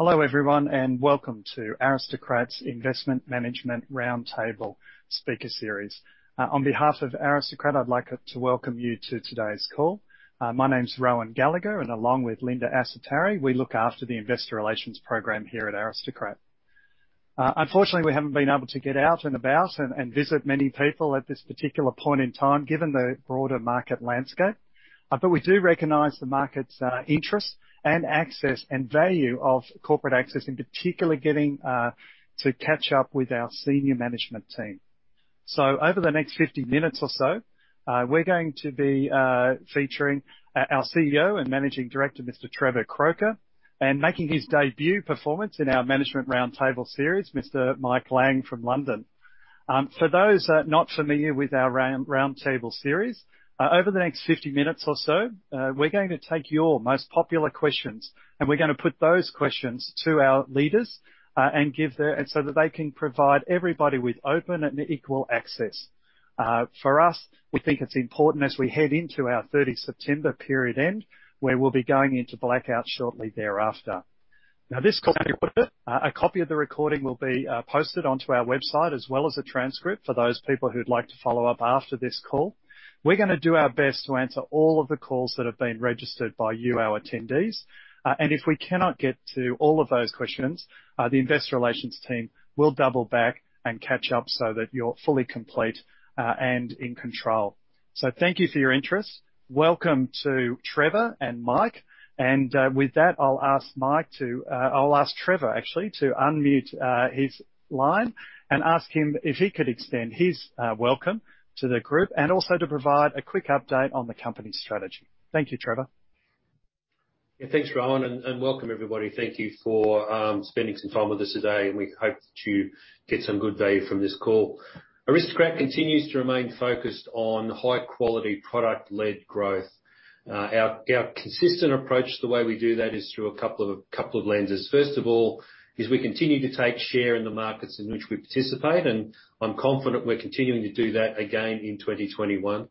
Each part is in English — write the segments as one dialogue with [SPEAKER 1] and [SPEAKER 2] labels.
[SPEAKER 1] Hello everyone, and welcome to Aristocrat's Investment Management Roundtable speaker series. On behalf of Aristocrat, I'd like to welcome you to today's call. My name's Rohan Gallagher, and along with Linda Assatoury, we look after the Investor Relations Program here at Aristocrat. Unfortunately, we haven't been able to get out and about and visit many people at this particular point in time, given the broader market landscape, but we do recognize the market's interest and access and value of corporate access, in particular getting to catch up with our senior management team. Over the next 50 minutes or so, we're going to be featuring our CEO and Managing Director, Mr. Trevor Croker, and making his debut performance in our Management Roundtable series, Mr. Mike Lang from London. For those not familiar with our Roundtable series, over the next 50 minutes or so, we're going to take your most popular questions, and we're going to put those questions to our leaders and give their, so that they can provide everybody with open and equal access. For us, we think it's important as we head into our 30 September period end, where we'll be going into blackout shortly thereafter. Now, this call, a copy of the recording will be posted onto our website, as well as a transcript for those people who'd like to follow up after this call. We're going to do our best to answer all of the calls that have been registered by you, our attendees, and if we cannot get to all of those questions, the Investor Relations team will double back and catch up so that you're fully complete and in control. Thank you for your interest. Welcome to Trevor and Mike, and with that, I'll ask Mike to, I'll ask Trevor actually to unmute his line and ask him if he could extend his welcome to the Group and also to provide a quick update on the company strategy. Thank you, Trevor.
[SPEAKER 2] Yeah, thanks Rohan, and welcome everybody. Thank you for spending some time with us today, and we hope that you get some good value from this call. Aristocrat continues to remain focused on high-quality product-led growth. Our consistent approach, the way we do that, is through a couple of lenses. First of all, as we continue to take share in the markets in which we participate, and I'm confident we're continuing to do that again in 2021,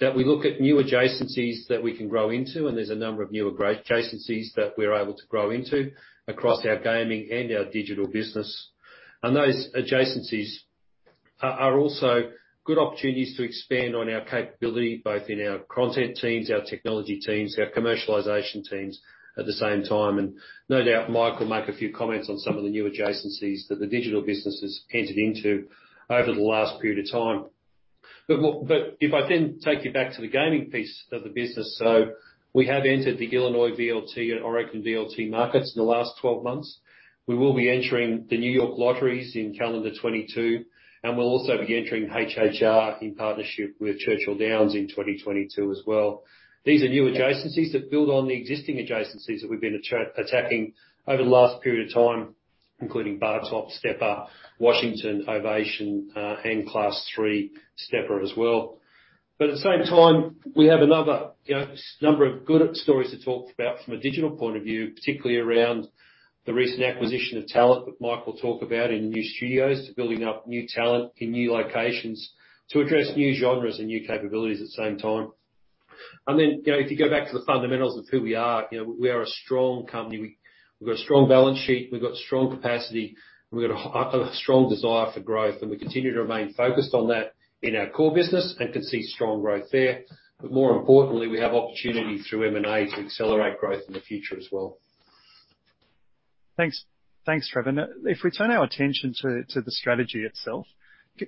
[SPEAKER 2] that we look at new adjacencies that we can grow into, and there's a number of new adjacencies that we're able to grow into across our gaming and our digital business. Those adjacencies are also good opportunities to expand on our capability, both in our content teams, our technology teams, our commercialization teams at the same time, and no doubt Mike will make a few comments on some of the new adjacencies that the digital business has entered into over the last period of time. If I then take you back to the gaming piece of the business, we have entered the Illinois VLT and Oregon VLT markets in the last 12 months. We will be entering the New York Lotteries in calendar 2022, and we will also be entering HHR in partnership with Churchill Downs in 2022 as well. These are new adjacencies that build on the existing adjacencies that we have been attacking over the last period of time, including Bartop, Stepper, Washington Ovation, and Class 3 Stepper as well. At the same time, we have another number of good stories to talk about from a digital point of view, particularly around the recent acquisition of talent that Mike will talk about in new studios, to building up new talent in new locations, to address new genres and new capabilities at the same time. You know, if you go back to the fundamentals of who we are, you know, we are a strong company. We've got a strong balance sheet, we've got strong capacity, and we've got a strong desire for growth, and we continue to remain focused on that in our core business and can see strong growth there. More importantly, we have opportunity through M&A to accelerate growth in the future as well.
[SPEAKER 1] Thanks, thanks Trevor. If we turn our attention to the strategy itself,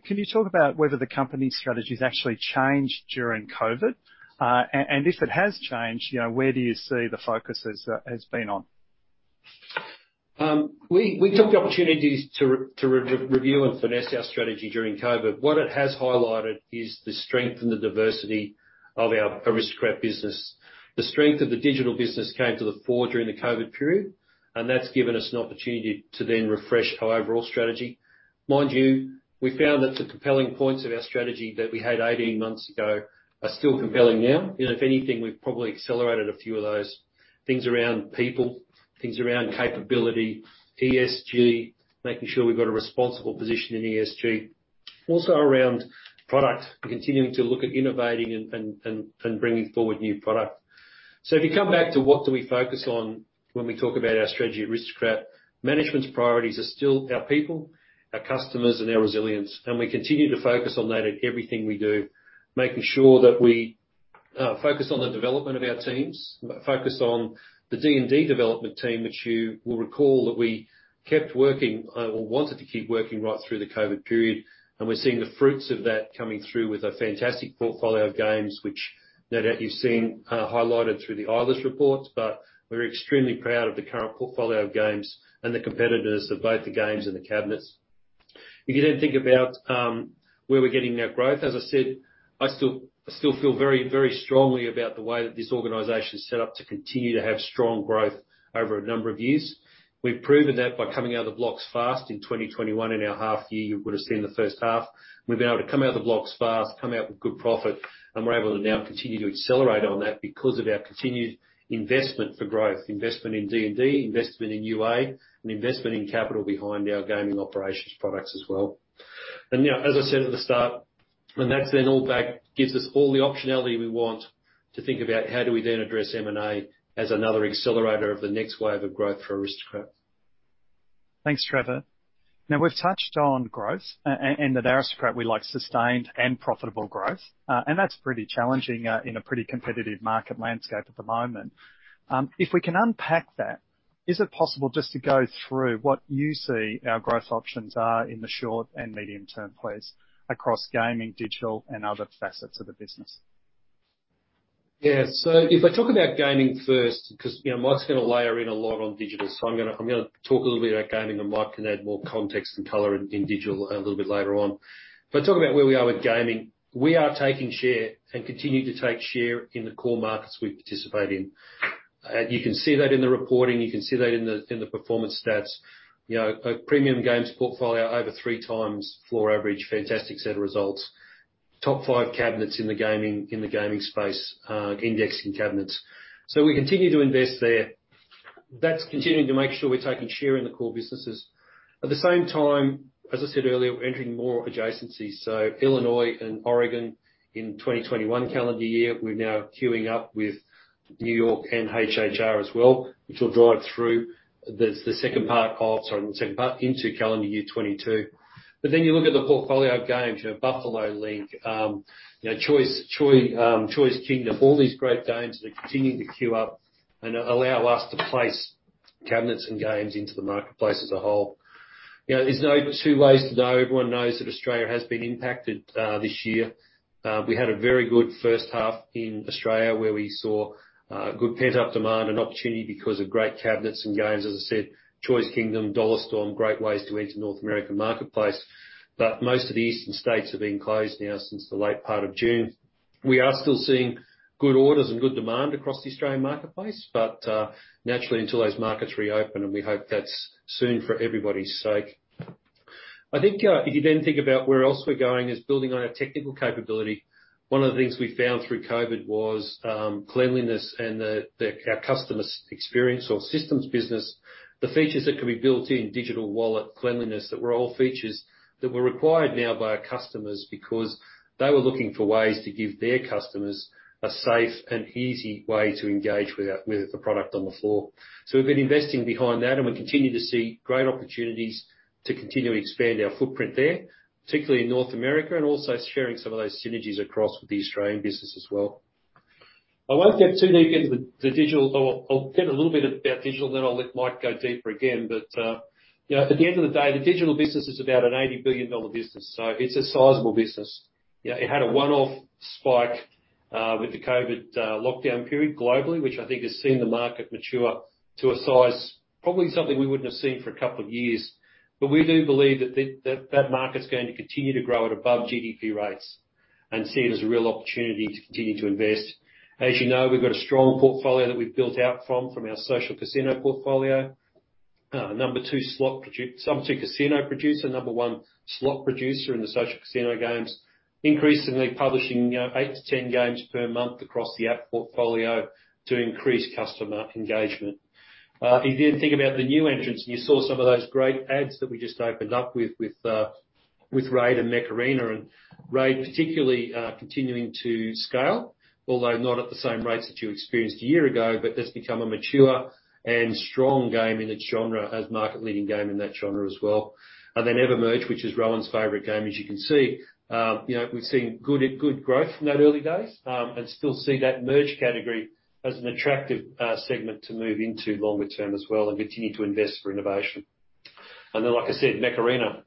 [SPEAKER 1] can you talk about whether the company's strategy has actually changed during COVID? If it has changed, you know, where do you see the focus has been on?
[SPEAKER 2] We took the opportunity to review and finesse our strategy during COVID. What it has highlighted is the strength and the diversity of our Aristocrat business. The strength of the digital business came to the fore during the COVID period, and that's given us an opportunity to then refresh our overall strategy. You know, we found that the compelling points of our strategy that we had 18 months ago are still compelling now. If anything, we've probably accelerated a few of those things around people, things around capability, ESG, making sure we've got a responsible position in ESG. Also around product, we're continuing to look at innovating and bringing forward new product. If you come back to what do we focus on when we talk about our strategy at Aristocrat, management's priorities are still our people, our customers, and our resilience, and we continue to focus on that in everything we do, making sure that we focus on the development of our teams, focus on the D&D development team, which you will recall that we kept working or wanted to keep working right through the COVID period, and we're seeing the fruits of that coming through with a fantastic portfolio of games, which no doubt you've seen highlighted through the Eilers reports, but we're extremely proud of the current portfolio of games and the competitiveness of both the games and the cabinets. If you then think about where we're getting our growth, as I said, I still feel very, very strongly about the way that this organization is set up to continue to have strong growth over a number of years. We've proven that by coming out of the blocks fast in 2021. In our half year, you would have seen the first half. We've been able to come out of the blocks fast, come out with good profit, and we're able to now continue to accelerate on that because of our continued investment for growth, investment in R&D, investment in UA, and investment in capital behind our gaming operations products as well. As I said at the start, and that is then all back, gives us all the optionality we want to think about how do we then address M&A as another accelerator of the next wave of growth for Aristocrat.
[SPEAKER 1] Thanks, Trevor. Now, we've touched on growth and that Aristocrat would like sustained and profitable growth, and that's pretty challenging in a pretty competitive market landscape at the moment. If we can unpack that, is it possible just to go through what you see our growth options are in the short and medium term, please, across gaming, digital, and other facets of the business?
[SPEAKER 2] Yeah, so if I talk about gaming first, because you know, Mike's going to layer in a lot on digital, so I'm going to talk a little bit about gaming, and Mike can add more context and color in digital a little bit later on. If I talk about where we are with gaming, we are taking share and continue to take share in the core markets we participate in. You can see that in the reporting, you can see that in the performance stats. You know, a premium games portfolio over three times floor average, fantastic set of results, top five cabinets in the gaming space, indexing cabinets. So we continue to invest there. That's continuing to make sure we're taking share in the core businesses. At the same time, as I said earlier, we're entering more adjacencies. Illinois and Oregon in 2021 calendar year, we're now queuing up with New York and HHR as well, which will drive through the second part of, sorry, the second part into calendar year 2022. Then you look at the portfolio of games, you know, Buffalo Link, you know, Choy's Kingdom, all these great games that are continuing to queue up and allow us to place cabinets and games into the marketplace as a whole. You know, there's no two ways to know. Everyone knows that Australia has been impacted this year. We had a very good first half in Australia where we saw good pent-up demand and opportunity because of great cabinets and games. As I said, Choy's Kingdom, Dollar Storm, great ways to enter North America marketplace, but most of the eastern states have been closed now since the late part of June. We are still seeing good orders and good demand across the Australian marketplace, but naturally until those markets reopen, and we hope that's soon for everybody's sake. I think if you then think about where else we're going is building on our technical capability. One of the things we found through COVID was cleanliness and our customer experience or systems business, the features that could be built in, digital wallet, cleanliness, that were all features that were required now by our customers because they were looking for ways to give their customers a safe and easy way to engage with the product on the floor. We have been investing behind that, and we continue to see great opportunities to continue to expand our footprint there, particularly in North America, and also sharing some of those synergies across with the Australian business as well. I won't get too deep into the digital. I'll get a little bit about digital, then I'll let Mike go deeper again, but you know, at the end of the day, the digital business is about an $80 billion business, so it's a sizable business. You know, it had a one-off spike with the COVID lockdown period globally, which I think has seen the market mature to a size probably something we wouldn't have seen for a couple of years, but we do believe that that market's going to continue to grow at above GDP rates and see it as a real opportunity to continue to invest. As you know, we've got a strong portfolio that we've built out from, from our social casino portfolio. Number two slot, number two casino producer, number one slot producer in the social casino games, increasingly publishing eight to ten games per month across the app portfolio to increase customer engagement. If you then think about the new entrants, and you saw some of those great ads that we just opened up with RAID and Mech Arena, and RAID particularly continuing to scale, although not at the same rates that you experienced a year ago, but it's become a mature and strong game in its genre as market-leading game in that genre as well. EverMerge, which is Rohan's favorite game, as you can see, you know, we've seen good growth in that early days and still see that merge category as an attractive segment to move into longer term as well and continue to invest for innovation. Like I said, Mech Arena,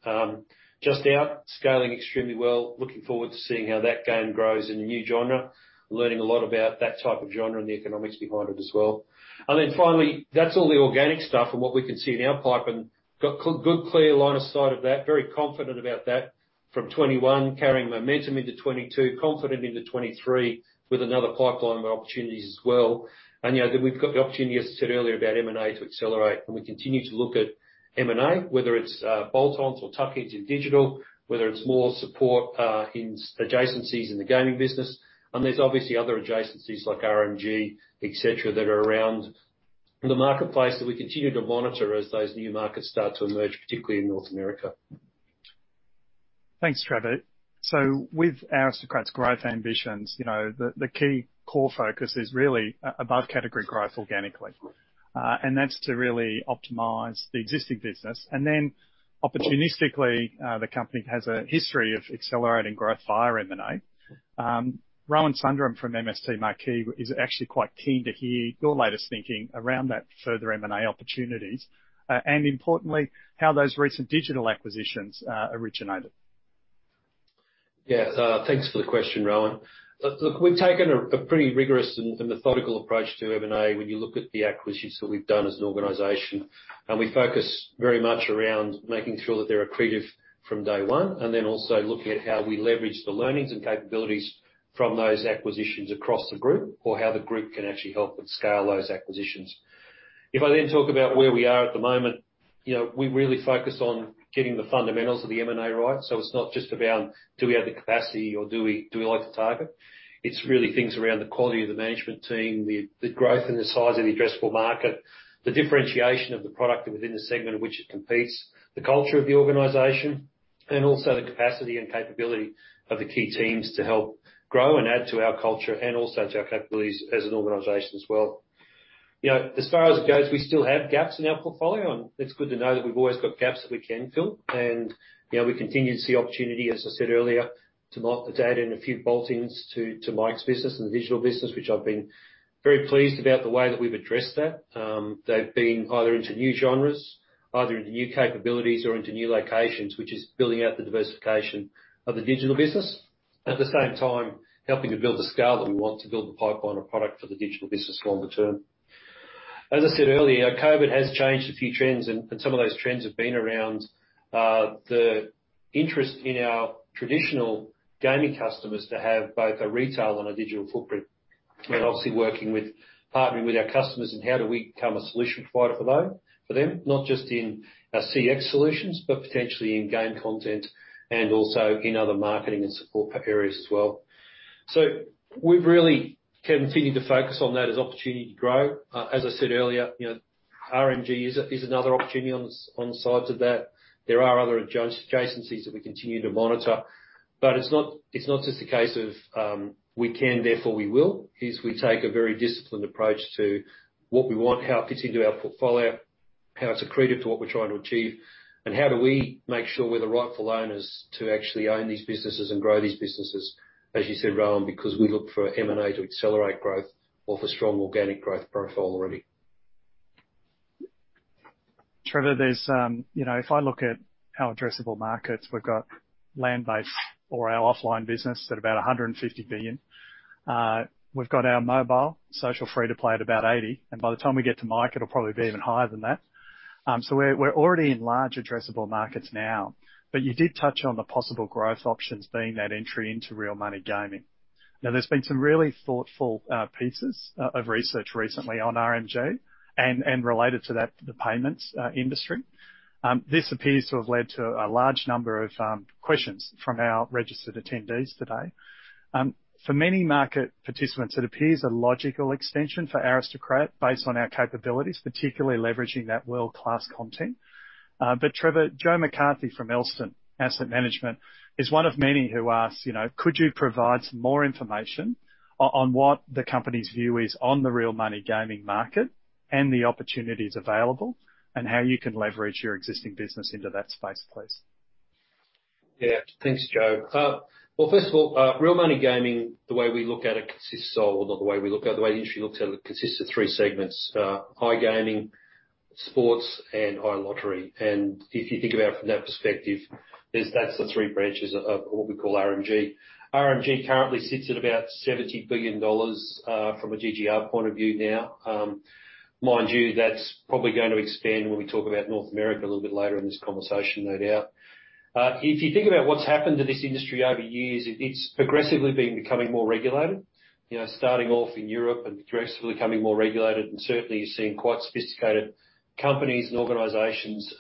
[SPEAKER 2] just out, scaling extremely well, looking forward to seeing how that game grows in a new genre, learning a lot about that type of genre and the economics behind it as well. Finally, that's all the organic stuff and what we can see in our pipeline, got good clear line of sight of that, very confident about that from 2021, carrying momentum into 2022, confident into 2023 with another pipeline of opportunities as well. You know, then we've got the opportunity, as I said earlier, about M&A to accelerate, and we continue to look at M&A, whether it's bolt-ons or tuck-ins in digital, whether it's more support in adjacencies in the gaming business. There are obviously other adjacencies like RMG, et cetera, that are around the marketplace that we continue to monitor as those new markets start to emerge, particularly in North America.
[SPEAKER 1] Thanks, Trevor. With Aristocrat's growth ambitions, you know, the key core focus is really above category growth organically, and that's to really optimize the existing business. Then opportunistically, the company has a history of accelerating growth via M&A. Rohan Sundram from MST Marquee is actually quite keen to hear your latest thinking around that further M&A opportunities and importantly, how those recent digital acquisitions originated.
[SPEAKER 2] Yeah, thanks for the question, Rohan. Look, we've taken a pretty rigorous and methodical approach to M&A when you look at the acquisitions that we've done as an organization, and we focus very much around making sure that they're accretive from day one, and then also looking at how we leverage the learnings and capabilities from those acquisitions across the Group or how the Group can actually help scale those acquisitions. If I then talk about where we are at the moment, you know, we really focus on getting the fundamentals of the M&A right, so it's not just about do we have the capacity or do we like to target. It's really things around the quality of the management team, the growth and the size of the addressable market, the differentiation of the product within the segment in which it competes, the culture of the organization, and also the capacity and capability of the key teams to help grow and add to our culture and also to our capabilities as an organization as well. You know, as far as it goes, we still have gaps in our portfolio, and it's good to know that we've always got gaps that we can fill, and you know, we continue to see opportunity, as I said earlier, to mock the data and a few bolt-ins to Mike's business and the digital business, which I've been very pleased about the way that we've addressed that. They've been either into new genres, either into new capabilities or into new locations, which is building out the diversification of the digital business, at the same time helping to build the scale that we want to build the pipeline of product for the digital business longer term. As I said earlier, COVID has changed a few trends, and some of those trends have been around the interest in our traditional gaming customers to have both a retail and a digital footprint, and obviously working with partnering with our customers in how do we become a solution provider for them, not just in our CX solutions, but potentially in game content and also in other marketing and support areas as well. We've really continued to focus on that as opportunity to grow. As I said earlier, you know, RMG is another opportunity on the sides of that. There are other adjacencies that we continue to monitor, but it's not just a case of we can, therefore we will, it is we take a very disciplined approach to what we want, how it fits into our portfolio, how it's accretive to what we're trying to achieve, and how do we make sure we're the rightful owners to actually own these businesses and grow these businesses, as you said, Rohan, because we look for M&A to accelerate growth or for strong organic growth profile already.
[SPEAKER 1] Trevor, there's, you know, if I look at our addressable markets, we've got land-based or our offline business at about $150 billion. We've got our mobile social free-to-play at about $80 billion, and by the time we get to Mike, it'll probably be even higher than that. We are already in large addressable markets now, but you did touch on the possible growth options being that entry into real money gaming. There have been some really thoughtful pieces of research recently on RMG and related to that, the payments industry. This appears to have led to a large number of questions from our registered attendees today. For many market participants, it appears a logical extension for Aristocrat based on our capabilities, particularly leveraging that world-class content. Trevor, Joe McCarthy from Elston Asset Management is one of many who asked, you know, could you provide some more information on what the company's view is on the real money gaming market and the opportunities available and how you can leverage your existing business into that space, please?
[SPEAKER 2] Yeah, thanks, Joe. First of all, real money gaming, the way we look at it consists of, or the way we look at, the way the industry looks at it consists of three segments: iGaming, sports, and iLottery. If you think about it from that perspective, that's the three branches of what we call RMG. RMG currently sits at about $70 billion from a GGR point of view now. Mind you, that's probably going to expand when we talk about North America a little bit later in this conversation, no doubt. If you think about what's happened to this industry over years, it's progressively been becoming more regulated, you know, starting off in Europe and progressively becoming more regulated, and certainly you're seeing quite sophisticated companies and organizations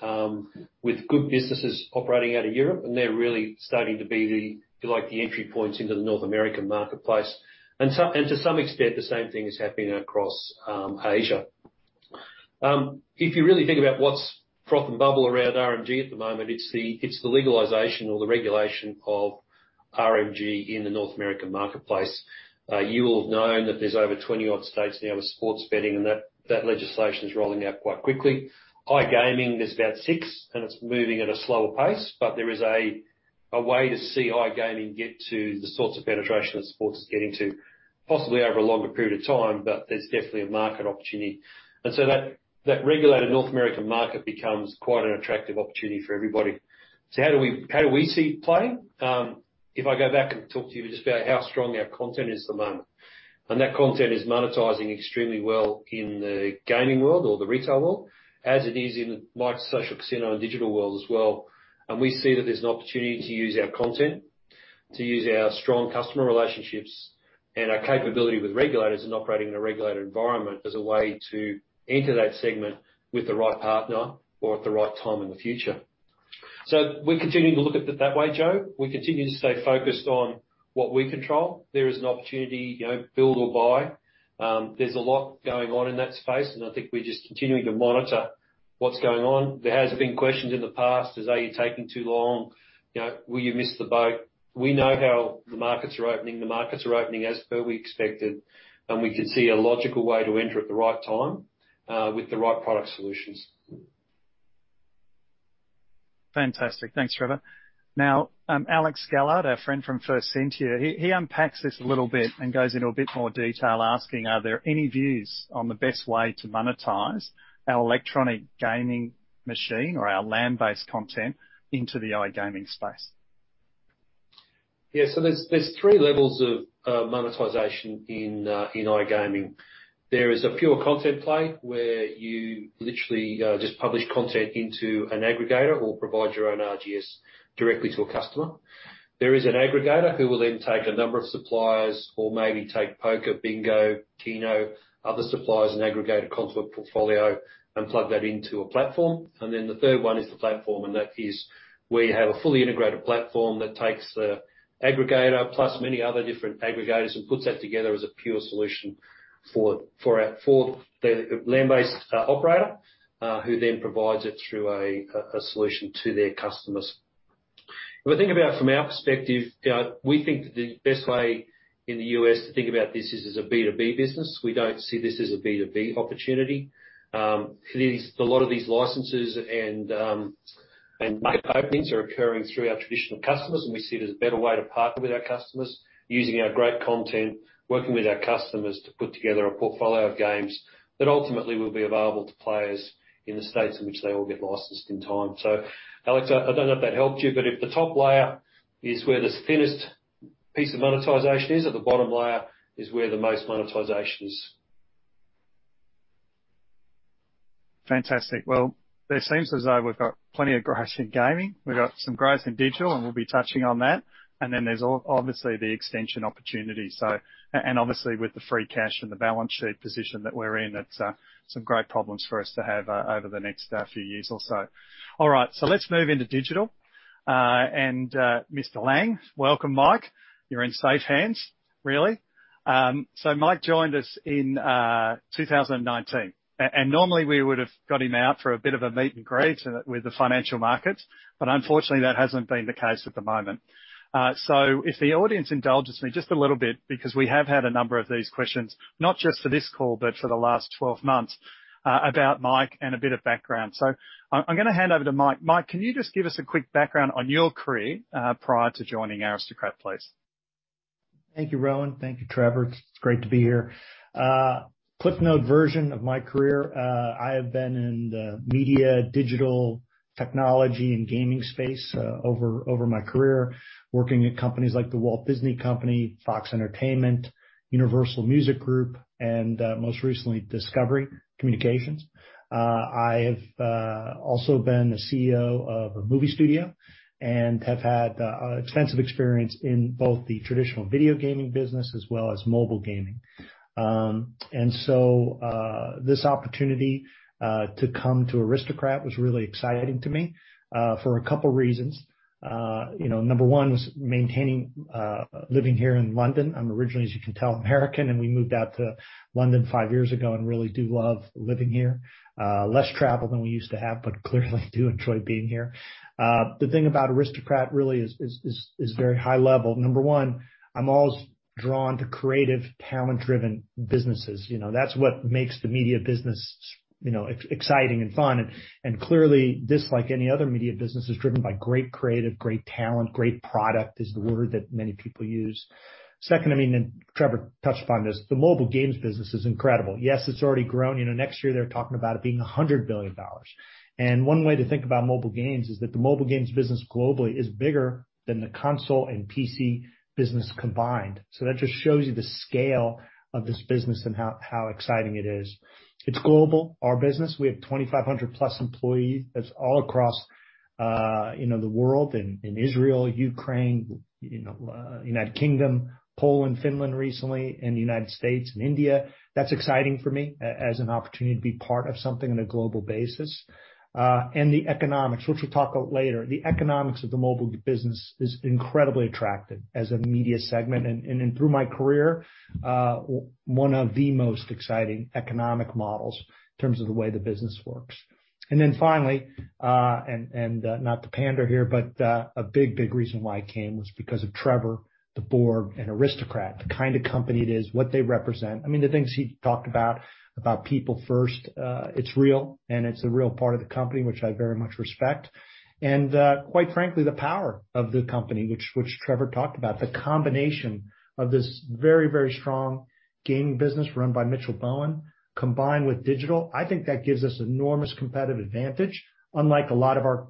[SPEAKER 2] with good businesses operating out of Europe, and they're really starting to be the, like the entry points into the North American marketplace. To some extent, the same thing is happening across Asia. If you really think about what's froth and bubble around RMG at the moment, it's the legalization or the regulation of RMG in the North American marketplace. You will have known that there's over 20-odd states now with sports betting, and that legislation is rolling out quite quickly. High gaming, there's about six, and it's moving at a slower pace, but there is a way to see high gaming get to the sorts of penetration that sports is getting to, possibly over a longer period of time, but there's definitely a market opportunity. That regulated North American market becomes quite an attractive opportunity for everybody. How do we see playing? If I go back and talk to you just about how strong our content is at the moment, and that content is monetizing extremely well in the gaming world or the retail world, as it is in the micro social casino and digital world as well, we see that there's an opportunity to use our content, to use our strong customer relationships and our capability with regulators and operating in a regulated environment as a way to enter that segment with the right partner or at the right time in the future. We are continuing to look at it that way, Joe. We continue to stay focused on what we control. There is an opportunity, you know, build or buy. There's a lot going on in that space, and I think we're just continuing to monitor what's going on. There has been questions in the past, is A, you're taking too long, you know, will you miss the boat? We know how the markets are opening. The markets are opening as per we expected, and we can see a logical way to enter at the right time with the right product solutions.
[SPEAKER 1] Fantastic. Thanks, Trevor. Now, Alex Gallard, our friend from First Sentier, he unpacks this a little bit and goes into a bit more detail, asking, are there any views on the best way to monetize our electronic gaming machine or our land-based content into the iGaming space?
[SPEAKER 2] Yeah, so there's three levels of monetization in iGaming. There is a pure content play where you literally just publish content into an aggregator or provide your own RGS directly to a customer. There is an aggregator who will then take a number of suppliers or maybe take Poker, Bingo, Keno, other suppliers, an aggregator, console, portfolio, and plug that into a platform. The third one is the platform, and that is we have a fully integrated platform that takes the aggregator plus many other different aggregators and puts that together as a pure solution for the land-based operator who then provides it through a solution to their customers. If we think about it from our perspective, we think that the best way in the U.S. to think about this is as a B2B business. We don't see this as a B2B opportunity. A lot of these licenses and openings are occurring through our traditional customers, and we see it as a better way to partner with our customers, using our great content, working with our customers to put together a portfolio of games that ultimately will be available to players in the states in which they all get licensed in time. Alex, I do not know if that helped you, but if the top layer is where the thinnest piece of monetization is, at the bottom layer is where the most monetization is.
[SPEAKER 1] Fantastic. It seems as though we've got plenty of grass in gaming. We've got some grass in digital, and we'll be touching on that. There is obviously the extension opportunity. Obviously with the free cash and the balance sheet position that we're in, it's some great problems for us to have over the next few years or so. All right, let's move into digital. Mr. Lang, welcome, Mike. You're in safe hands, really. Mike joined us in 2019, and normally we would have got him out for a bit of a meet and greet with the financial markets, but unfortunately that hasn't been the case at the moment. If the audience indulges me just a little bit, because we have had a number of these questions, not just for this call, but for the last 12 months about Mike and a bit of background. I am going to hand over to Mike. Mike, can you just give us a quick background on your career prior to joining Aristocrat, please?
[SPEAKER 3] Thank you, Rohan. Thank you, Trevor. It's great to be here. Cliff note version of my career, I have been in the media, digital, technology, and gaming space over my career, working at companies like the Walt Disney Company, Fox Entertainment, Universal Music Group, and most recently Discovery Communications. I have also been the CEO of a movie studio and have had extensive experience in both the traditional video gaming business as well as mobile gaming. You know, this opportunity to come to Aristocrat was really exciting to me for a couple of reasons. Number one was maintaining living here in London. I'm originally, as you can tell, American, and we moved out to London five years ago and really do love living here. Less travel than we used to have, but clearly do enjoy being here. The thing about Aristocrat really is very high level. Number one, I'm always drawn to creative, talent-driven businesses. You know, that's what makes the media business, you know, exciting and fun. And clearly this, like any other media business, is driven by great creative, great talent, great product is the word that many people use. Second, I mean, and Trevor touched upon this, the mobile games business is incredible. Yes, it's already grown. You know, next year they're talking about it being $100 billion. One way to think about mobile games is that the mobile games business globally is bigger than the console and PC business combined. That just shows you the scale of this business and how exciting it is. It's global, our business. We have 2,500 plus employees that's all across, you know, the world in Israel, Ukraine, you know, United Kingdom, Poland, Finland recently, and the United States and India. That's exciting for me as an opportunity to be part of something on a global basis. The economics, which we'll talk about later, the economics of the mobile business is incredibly attractive as a media segment and through my career, one of the most exciting economic models in terms of the way the business works. Finally, and not to pander here, but a big, big reason why I came was because of Trevor, the board, and Aristocrat, the kind of company it is, what they represent. I mean, the things he talked about, about people first, it's real and it's a real part of the company, which I very much respect. Quite frankly, the power of the company, which Trevor talked about, the combination of this very, very strong gaming business run by Mitchell Bowen combined with digital, I think that gives us enormous competitive advantage, unlike a lot of our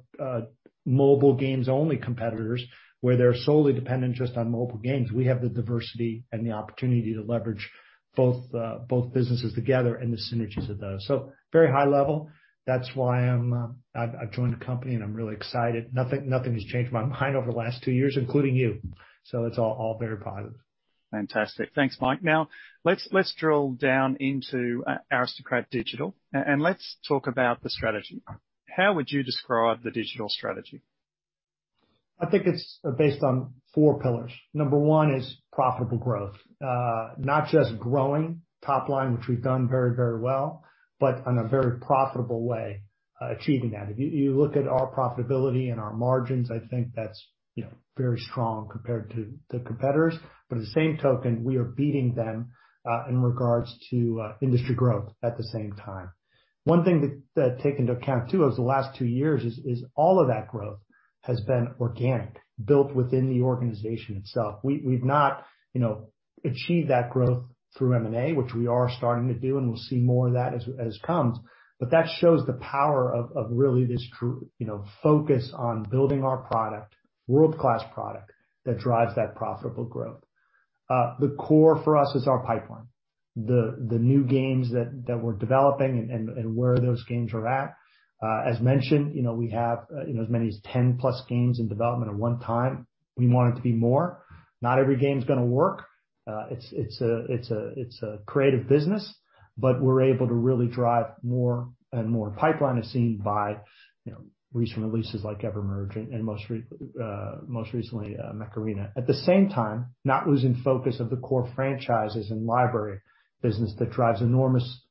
[SPEAKER 3] mobile games-only competitors where they're solely dependent just on mobile games. We have the diversity and the opportunity to leverage both businesses together and the synergies of those. Very high level, that's why I've joined the company and I'm really excited. Nothing has changed my mind over the last two years, including you. It's all very positive.
[SPEAKER 1] Fantastic. Thanks, Mike. Now, let's drill down into Aristocrat Digital and let's talk about the strategy. How would you describe the digital strategy?
[SPEAKER 3] I think it's based on four pillars. Number one is profitable growth, not just growing top line, which we've done very, very well, but in a very profitable way achieving that. If you look at our profitability and our margins, I think that's, you know, very strong compared to the competitors. At the same token, we are beating them in regards to industry growth at the same time. One thing to take into account too over the last two years is all of that growth has been organic, built within the organization itself. We've not, you know, achieved that growth through M&A, which we are starting to do, and we'll see more of that as it comes. That shows the power of really this, you know, focus on building our product, world-class product that drives that profitable growth. The core for us is our pipeline, the new games that we're developing and where those games are at. As mentioned, you know, we have, you know, as many as 10 plus games in development at one time. We want it to be more. Not every game's going to work. It's a creative business, but we're able to really drive more and more. Pipeline is seen by, you know, recent releases like EverMerge and most recently Mech Arena. At the same time, not losing focus of the core franchises and library business that drives enormous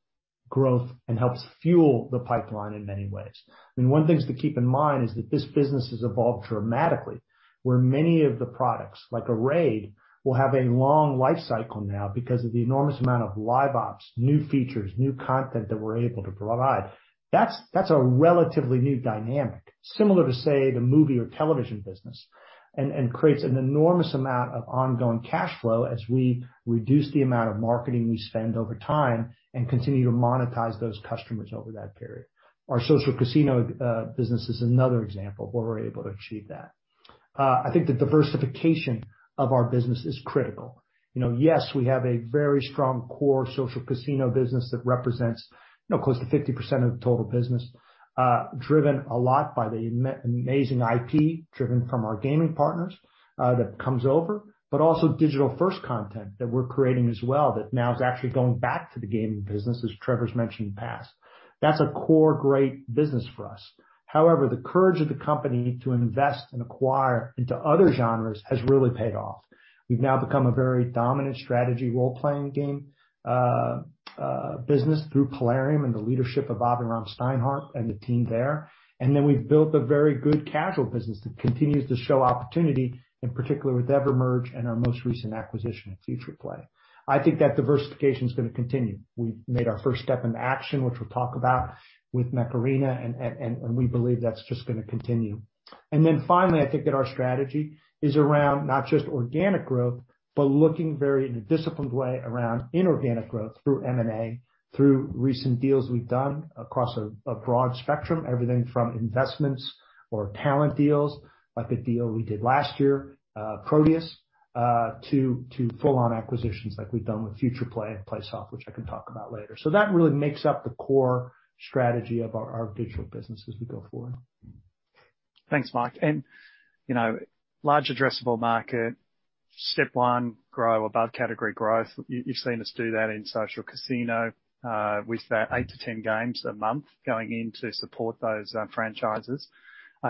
[SPEAKER 3] growth and helps fuel the pipeline in many ways. I mean, one thing to keep in mind is that this business has evolved dramatically, where many of the products like RAID will have a long life cycle now because of the enormous amount of live ops, new features, new content that we're able to provide. That's a relatively new dynamic, similar to say the movie or television business, and creates an enormous amount of ongoing cash flow as we reduce the amount of marketing we spend over time and continue to monetize those customers over that period. Our social casino business is another example where we're able to achieve that. I think the diversification of our business is critical. You know, yes, we have a very strong core social casino business that represents, you know, close to 50% of the total business, driven a lot by the amazing IP driven from our gaming partners that comes over, but also digital-first content that we're creating as well that now is actually going back to the gaming business, as Trevor's mentioned in the past. That's a core great business for us. However, the courage of the company to invest and acquire into other genres has really paid off. We've now become a very dominant strategy role-playing game business through Plarium and the leadership of Aviram Steinhart and the team there. We have built a very good casual business that continues to show opportunity, in particular with EverMerge and our most recent acquisition of Futureplay. I think that diversification is going to continue. We've made our first step in action, which we'll talk about with Mech Arena, and we believe that's just going to continue. Finally, I think that our strategy is around not just organic growth, but looking very in a disciplined way around inorganic growth through M&A, through recent deals we have done across a broad spectrum, everything from investments or talent deals, like a deal we did last year, Proteus, to full-on acquisitions like we have done with Futureplay and Playsoft, which I can talk about later. That really makes up the core strategy of our digital business as we go forward.
[SPEAKER 1] Thanks, Mike. You know, large addressable market, step one, grow above category growth. You've seen us do that in social casino with that eight to ten games a month going in to support those franchises.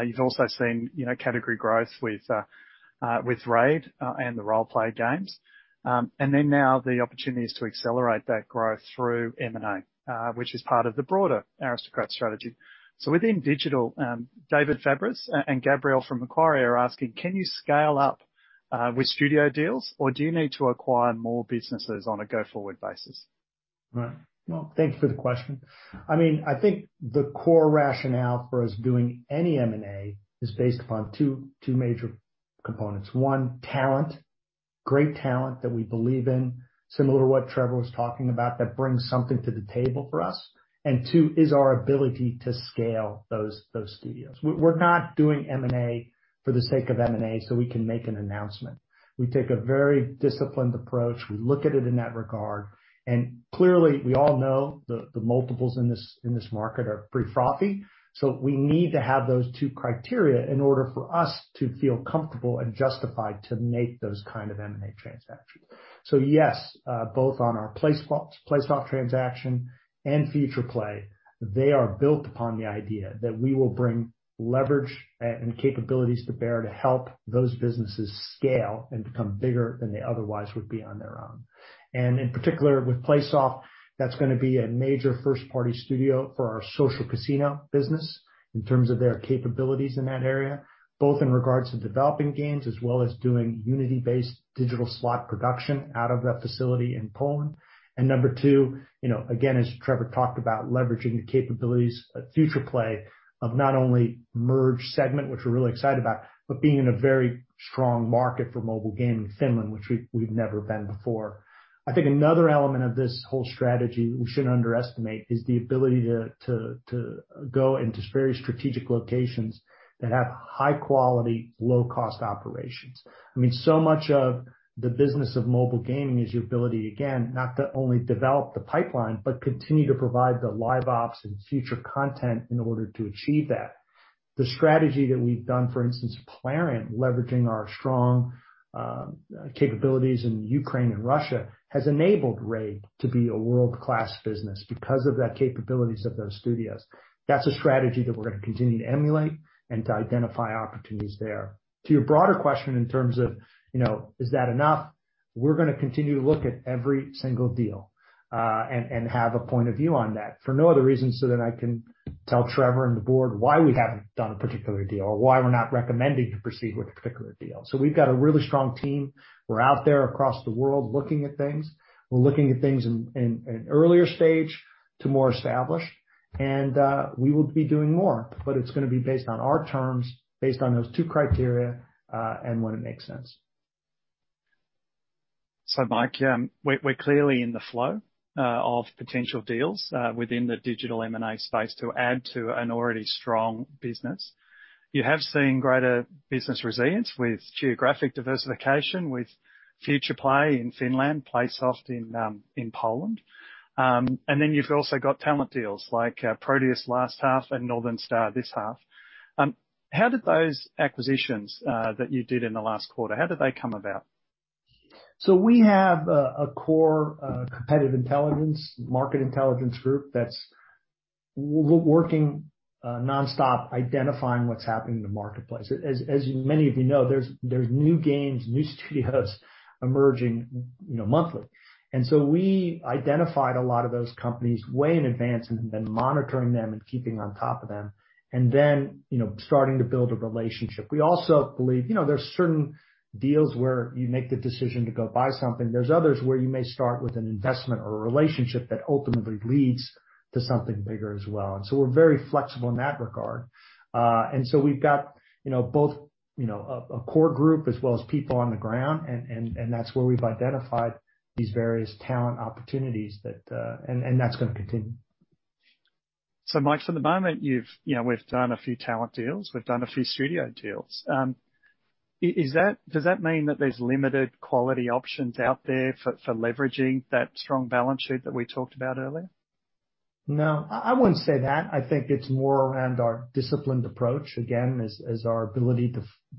[SPEAKER 1] You've also seen, you know, category growth with RAID and the role-play games. Now the opportunity is to accelerate that growth through M&A, which is part of the broader Aristocrat strategy. Within digital, David Fabris and Gabrielle from Macquarie are asking, can you scale up with studio deals or do you need to acquire more businesses on a go-forward basis?
[SPEAKER 3] Right. Thank you for the question. I mean, I think the core rationale for us doing any M&A is based upon two major components. One, talent, great talent that we believe in, similar to what Trevor was talking about, that brings something to the table for us. Two is our ability to scale those studios. We're not doing M&A for the sake of M&A so we can make an announcement. We take a very disciplined approach. We look at it in that regard. Clearly, we all know the multiples in this market are pretty frothy. We need to have those two criteria in order for us to feel comfortable and justified to make those kinds of M&A transactions. Yes, both on our Playsoft transaction and Futureplay, they are built upon the idea that we will bring leverage and capabilities to bear to help those businesses scale and become bigger than they otherwise would be on their own. In particular, with Playsoft, that's going to be a major first-party studio for our social casino business in terms of their capabilities in that area, both in regards to developing games as well as doing Unity-based digital slot production out of that facility in Poland. Number two, you know, again, as Trevor talked about, leveraging the capabilities of Futureplay of not only merge segment, which we're really excited about, but being in a very strong market for mobile game in Finland, which we've never been before. I think another element of this whole strategy we shouldn't underestimate is the ability to go into very strategic locations that have high-quality, low-cost operations. I mean, so much of the business of mobile gaming is your ability, again, not to only develop the pipeline, but continue to provide the live ops and future content in order to achieve that. The strategy that we've done, for instance, Plarium, leveraging our strong capabilities in Ukraine and Russia, has enabled RAID to be a world-class business because of the capabilities of those studios. That's a strategy that we're going to continue to emulate and to identify opportunities there. To your broader question in terms of, you know, is that enough? We are going to continue to look at every single deal and have a point of view on that for no other reason so that I can tell Trevor and the board why we have not done a particular deal or why we are not recommending to proceed with a particular deal. We have got a really strong team. We are out there across the world looking at things. We are looking at things in earlier stage to more established. We will be doing more, but it is going to be based on our terms, based on those two criteria and when it makes sense.
[SPEAKER 1] Mike, we're clearly in the flow of potential deals within the digital M&A space to add to an already strong business. You have seen greater business resilience with geographic diversification, with Futureplay in Finland, Playsoft in Poland. You have also got talent deals like Proteus last half and Northern Star this half. How did those acquisitions that you did in the last quarter, how did they come about?
[SPEAKER 3] We have a core competitive intelligence, market intelligence group that's working nonstop identifying what's happening in the marketplace. As many of you know, there's new games, new studios emerging, you know, monthly. We identified a lot of those companies way in advance and have been monitoring them and keeping on top of them and then, you know, starting to build a relationship. We also believe, you know, there's certain deals where you make the decision to go buy something. There's others where you may start with an investment or a relationship that ultimately leads to something bigger as well. We are very flexible in that regard. We have, you know, both, you know, a core group as well as people on the ground, and that's where we've identified these various talent opportunities that, and that's going to continue.
[SPEAKER 1] Mike, for the moment, you know, we've done a few talent deals. We've done a few studio deals. Does that mean that there's limited quality options out there for leveraging that strong balance sheet that we talked about earlier?
[SPEAKER 3] No, I would not say that. I think it is more around our disciplined approach, again, as our ability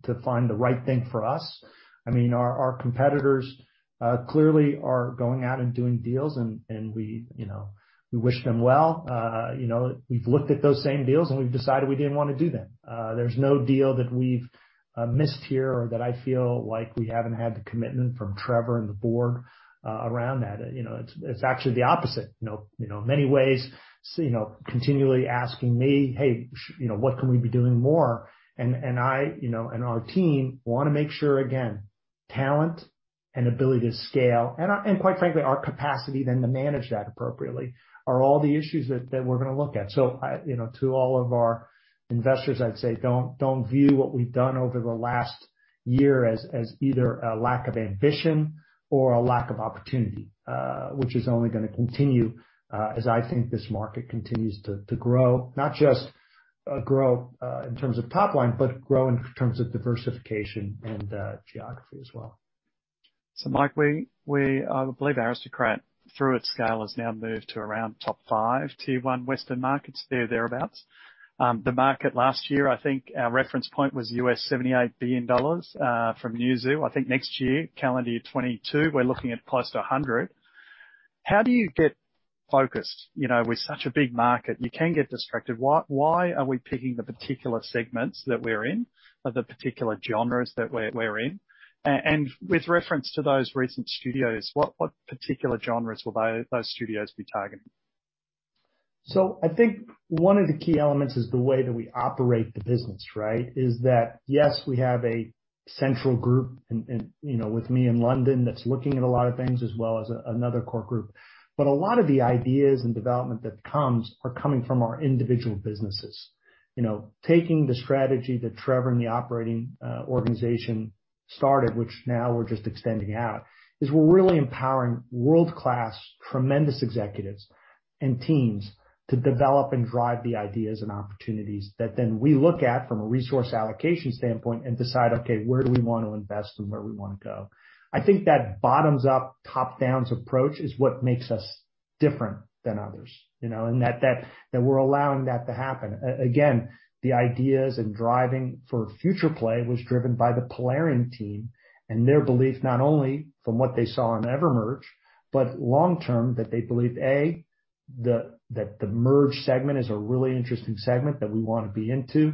[SPEAKER 3] to find the right thing for us. I mean, our competitors clearly are going out and doing deals, and we, you know, we wish them well. You know, we have looked at those same deals and we have decided we did not want to do them. There is no deal that we have missed here or that I feel like we have not had the commitment from Trevor and the board around that. You know, it is actually the opposite. You know, in many ways, you know, continually asking me, "Hey, you know, what can we be doing more?" And I, you know, and our team want to make sure, again, talent and ability to scale and, quite frankly, our capacity then to manage that appropriately are all the issues that we are going to look at. You know, to all of our investors, I'd say don't view what we've done over the last year as either a lack of ambition or a lack of opportunity, which is only going to continue as I think this market continues to grow, not just grow in terms of top line, but grow in terms of diversification and geography as well.
[SPEAKER 1] Mike, we believe Aristocrat, through its scale, has now moved to around top five tier one Western markets there, thereabouts. The market last year, I think our reference point was $78 billion from New Zealand. I think next year, calendar year 2022, we're looking at close to 100. How do you get focused? You know, with such a big market, you can get distracted. Why are we picking the particular segments that we're in, the particular genres that we're in? With reference to those recent studios, what particular genres will those studios be targeting?
[SPEAKER 3] I think one of the key elements is the way that we operate the business, right? Yes, we have a central group, you know, with me in London that's looking at a lot of things as well as another core group. A lot of the ideas and development that comes are coming from our individual businesses. You know, taking the strategy that Trevor and the operating organization started, which now we're just extending out, is we're really empowering world-class, tremendous executives and teams to develop and drive the ideas and opportunities that then we look at from a resource allocation standpoint and decide, okay, where do we want to invest and where do we want to go? I think that bottoms-up, top-down approach is what makes us different than others, you know, and that we're allowing that to happen. Again, the ideas and driving for Futureplay was driven by the Plarium team and their belief, not only from what they saw in EverMerge, but long-term that they believed, A, that the merge segment is a really interesting segment that we want to be into.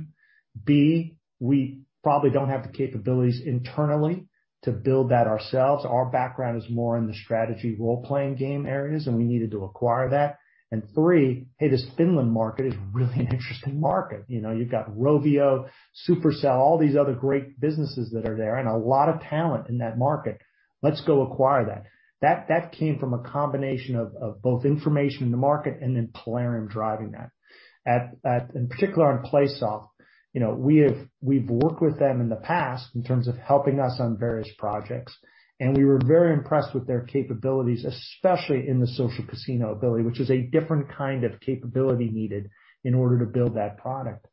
[SPEAKER 3] B, we probably don't have the capabilities internally to build that ourselves. Our background is more in the strategy role-playing game areas, and we needed to acquire that. And three, hey, this Finland market is really an interesting market. You know, you've got Rovio, Supercell, all these other great businesses that are there and a lot of talent in that market. Let's go acquire that. That came from a combination of both information in the market and then Plarium driving that. In particular, on Playsoft, you know, we've worked with them in the past in terms of helping us on various projects. We were very impressed with their capabilities, especially in the social casino ability, which is a different kind of capability needed in order to build that product.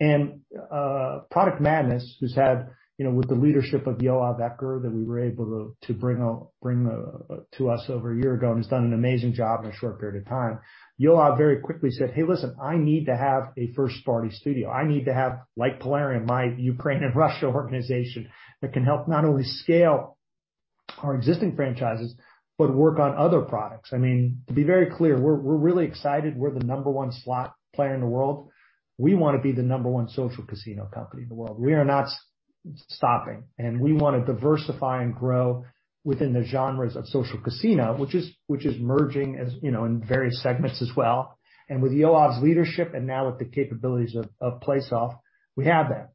[SPEAKER 3] Product Madness, who's had, you know, with the leadership of Yoav Ecker that we were able to bring to us over a year ago and has done an amazing job in a short period of time, Yoav very quickly said, "Hey, listen, I need to have a first-party studio. I need to have, like Plarium, my Ukraine and Russia organization that can help not only scale our existing franchises, but work on other products." I mean, to be very clear, we're really excited. We're the number one slot player in the world. We want to be the number one social casino company in the world. We are not stopping. We want to diversify and grow within the genres of social casino, which is merging as, you know, in various segments as well. With Yoav's leadership and now with the capabilities of Playsoft, we have that.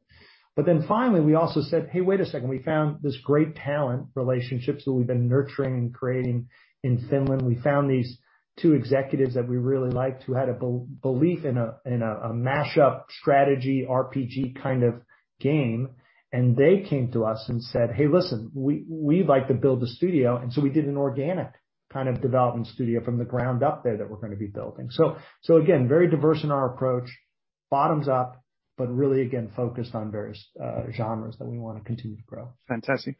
[SPEAKER 3] Finally, we also said, "Hey, wait a second." We found this great talent relationships that we've been nurturing and creating in Finland. We found these two executives that we really liked who had a belief in a mashup strategy, RPG kind of game. They came to us and said, "Hey, listen, we'd like to build a studio." We did an organic kind of development studio from the ground up there that we're going to be building. Again, very diverse in our approach, bottoms-up, but really, again, focused on various genres that we want to continue to grow.
[SPEAKER 1] Fantastic.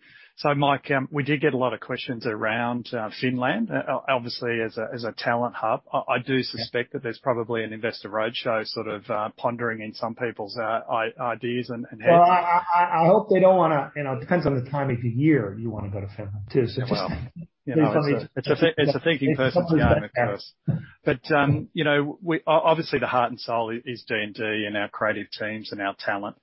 [SPEAKER 1] Mike, we did get a lot of questions around Finland, obviously as a talent hub. I do suspect that there's probably an Investor Roadshow sort of pondering in some people's ideas and heads.
[SPEAKER 3] I hope they don't want to, you know, it depends on the time of the year you want to go to Finland too.
[SPEAKER 1] It's a thinking person's game, of course. But, you know, obviously the heart and soul is D&D and our creative teams and our talent.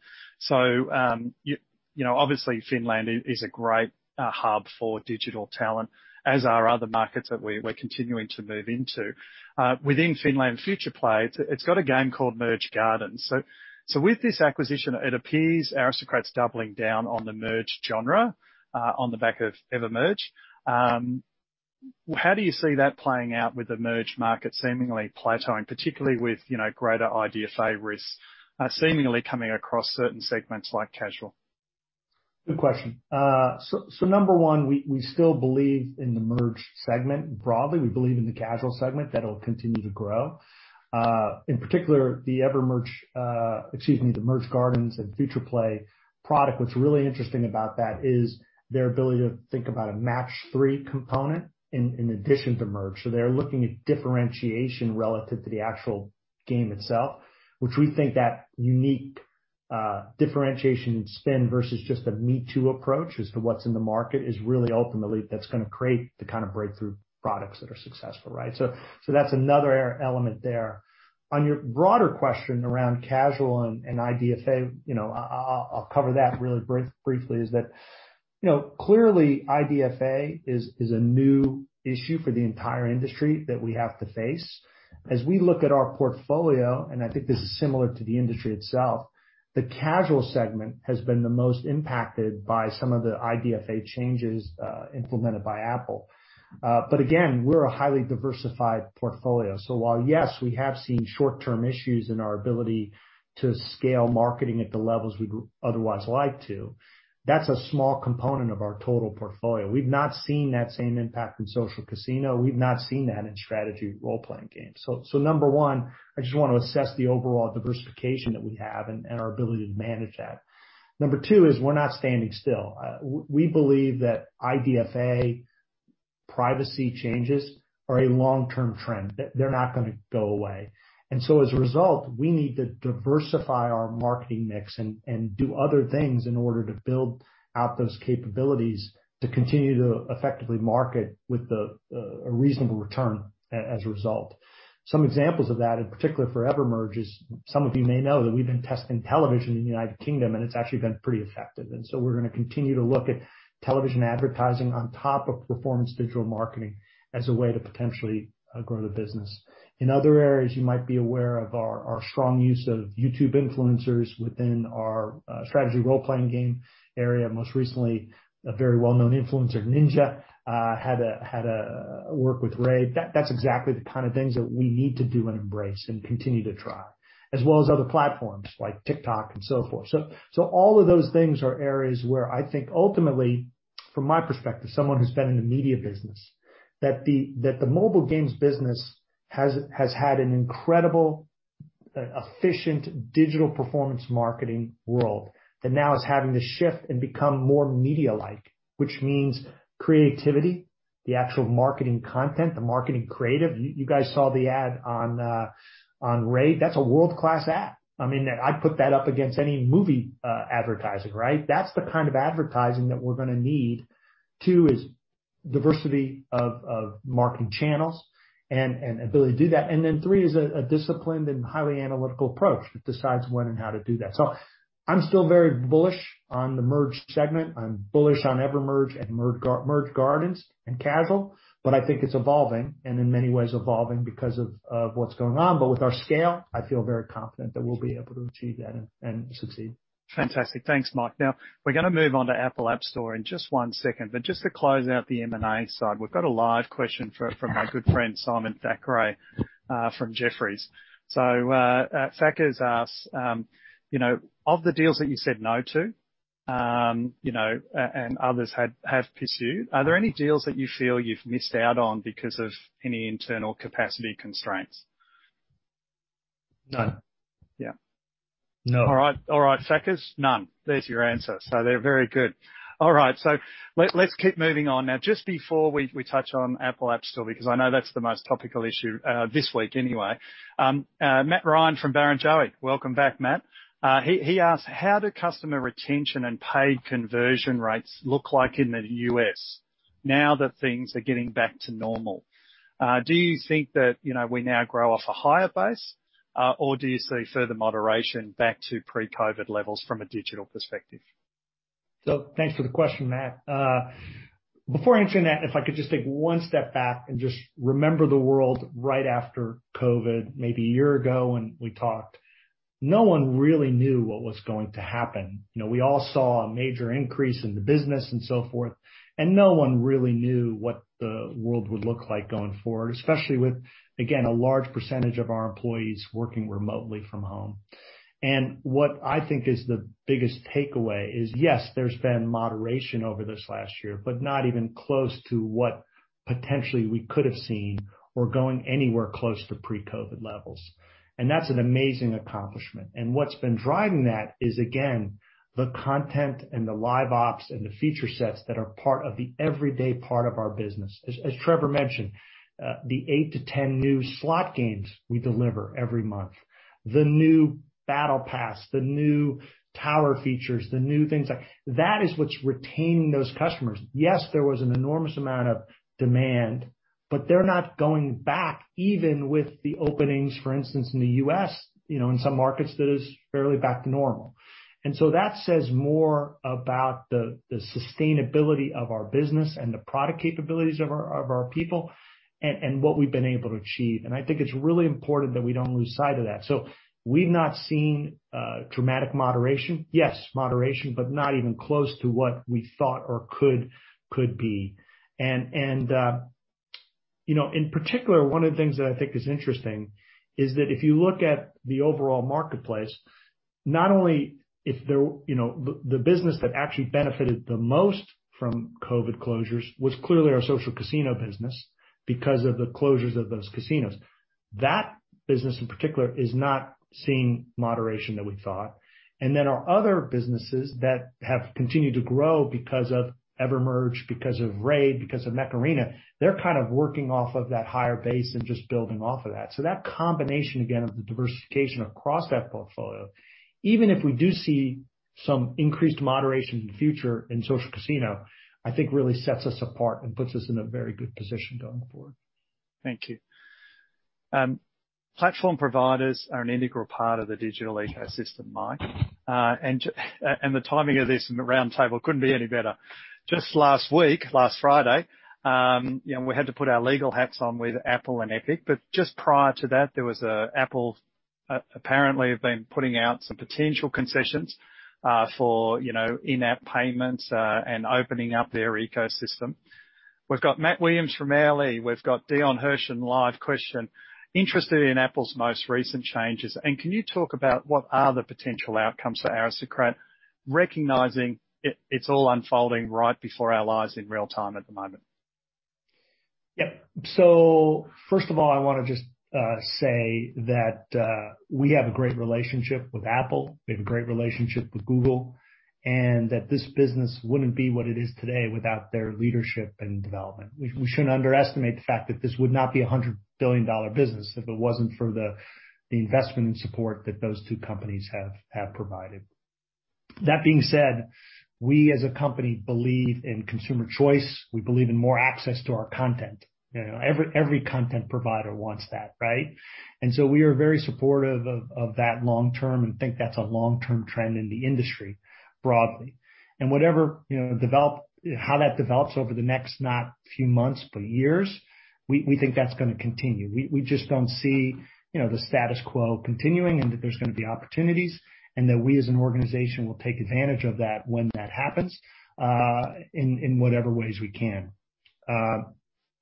[SPEAKER 1] You know, obviously Finland is a great hub for digital talent as are other markets that we're continuing to move into. Within Finland Futureplay, it's got a game called Merge Gardens. With this acquisition, it appears Aristocrat's doubling down on the merge genre on the back of EverMerge. How do you see that playing out with the merge market seemingly plateauing, particularly with, you know, greater IDFA changes seemingly coming across certain segments like casual?
[SPEAKER 3] Good question. Number one, we still believe in the merge segment broadly. We believe in the casual segment that will continue to grow. In particular, the EverMerge, excuse me, the Merge Gardens and Futureplay product, what's really interesting about that is their ability to think about a match-three component in addition to merge. They're looking at differentiation relative to the actual game itself, which we think that unique differentiation and spin versus just a me-too approach as to what's in the market is really ultimately that's going to create the kind of breakthrough products that are successful, right? That's another element there. On your broader question around casual and IDFA, you know, I'll cover that really briefly. Clearly, IDFA is a new issue for the entire industry that we have to face. As we look at our portfolio, and I think this is similar to the industry itself, the casual segment has been the most impacted by some of the IDFA changes implemented by Apple. Again, we're a highly diversified portfolio. While, yes, we have seen short-term issues in our ability to scale marketing at the levels we'd otherwise like to, that's a small component of our total portfolio. We've not seen that same impact in social casino. We've not seen that in strategy role-playing games. Number one, I just want to assess the overall diversification that we have and our ability to manage that. Number two is we're not standing still. We believe that IDFA privacy changes are a long-term trend. They're not going to go away. As a result, we need to diversify our marketing mix and do other things in order to build out those capabilities to continue to effectively market with a reasonable return as a result. Some examples of that, in particular for EverMerge, is some of you may know that we've been testing television in the United Kingdom, and it's actually been pretty effective. We are going to continue to look at television advertising on top of performance digital marketing as a way to potentially grow the business. In other areas, you might be aware of our strong use of YouTube influencers within our strategy role-playing game area. Most recently, a very well-known influencer, Ninja, had a work with RAID. That's exactly the kind of things that we need to do and embrace and continue to try, as well as other platforms like TikTok and so forth. All of those things are areas where I think ultimately, from my perspective, someone who's been in the media business, that the mobile games business has had an incredible efficient digital performance marketing world that now is having to shift and become more media-like, which means creativity, the actual marketing content, the marketing creative. You guys saw the ad on RAID. That's a world-class ad. I mean, I put that up against any movie advertising, right? That's the kind of advertising that we're going to need. Two is diversity of marketing channels and ability to do that. Three is a disciplined and highly analytical approach that decides when and how to do that. I'm still very bullish on the merge segment. I'm bullish on EverMerge and Merge Gardens and casual, but I think it's evolving and in many ways evolving because of what's going on. With our scale, I feel very confident that we'll be able to achieve that and succeed.
[SPEAKER 1] Fantastic. Thanks, Mike. Now, we're going to move on to Apple App Store in just one second. Just to close out the M&A side, we've got a live question from my good friend Simon Thackray from Jefferies. Thackray's asked, you know, of the deals that you said no to, you know, and others have pursued, are there any deals that you feel you've missed out on because of any internal capacity constraints?
[SPEAKER 3] No.
[SPEAKER 1] Yeah.
[SPEAKER 3] No.
[SPEAKER 1] All right. All right, Thackray, none. There's your answer. Very good. Let's keep moving on now. Just before we touch on Apple App Store, because I know that's the most topical issue this week anyway, Matt Ryan from Barrenjoey, welcome back, Matt. He asked, how do customer retention and paid conversion rates look like in the U.S. now that things are getting back to normal? Do you think that, you know, we now grow off a higher base, or do you see further moderation back to pre-COVID levels from a digital perspective?
[SPEAKER 3] Thanks for the question, Matt. Before answering that, if I could just take one step back and just remember the world right after COVID, maybe a year ago when we talked, no one really knew what was going to happen. You know, we all saw a major increase in the business and so forth, and no one really knew what the world would look like going forward, especially with, again, a large percentage of our employees working remotely from home. What I think is the biggest takeaway is, yes, there's been moderation over this last year, but not even close to what potentially we could have seen or going anywhere close to pre-COVID levels. That's an amazing accomplishment. What's been driving that is, again, the content and the live ops and the feature sets that are part of the everyday part of our business. As Trevor mentioned, the 8 to 10 new slot games we deliver every month, the new battle pass, the new tower features, the new things like that, is what's retaining those customers. Yes, there was an enormous amount of demand, but they're not going back even with the openings, for instance, in the U.S., you know, in some markets that is fairly back to normal. That says more about the sustainability of our business and the product capabilities of our people and what we've been able to achieve. I think it's really important that we don't lose sight of that. We've not seen dramatic moderation. Yes, moderation, but not even close to what we thought or could be. You know, in particular, one of the things that I think is interesting is that if you look at the overall marketplace, not only if there, you know, the business that actually benefited the most from COVID closures was clearly our social casino business because of the closures of those casinos. That business in particular is not seeing moderation that we thought. Our other businesses that have continued to grow because of EverMerge, because of RAID, because of Mech Arena, they're kind of working off of that higher base and just building off of that. That combination, again, of the diversification across that portfolio, even if we do see some increased moderation in the future in social casino, I think really sets us apart and puts us in a very good position going forward.
[SPEAKER 1] Thank you. Platform providers are an integral part of the digital ecosystem, Mike. The timing of this roundtable could not be any better. Just last week, last Friday, you know, we had to put our legal hats on with Apple and Epic, but just prior to that, there was Apple apparently been putting out some potential concessions for, you know, in-app payments and opening up their ecosystem. We have got Matt Williams from Airlie. We have got Dion Hershan in live question, interested in Apple's most recent changes. Can you talk about what are the potential outcomes for Aristocrat recognizing it is all unfolding right before our lives in real time at the moment?
[SPEAKER 3] Yep. First of all, I want to just say that we have a great relationship with Apple, we have a great relationship with Google, and that this business wouldn't be what it is today without their leadership and development. We shouldn't underestimate the fact that this would not be a $100 billion business if it wasn't for the investment and support that those two companies have provided. That being said, we as a company believe in consumer choice. We believe in more access to our content. Every content provider wants that, right? You know, we are very supportive of that long term and think that's a long-term trend in the industry broadly. Whatever, you know, how that develops over the next not few months, but years, we think that's going to continue. We just don't see, you know, the status quo continuing and that there's going to be opportunities and that we as an organization will take advantage of that when that happens in whatever ways we can.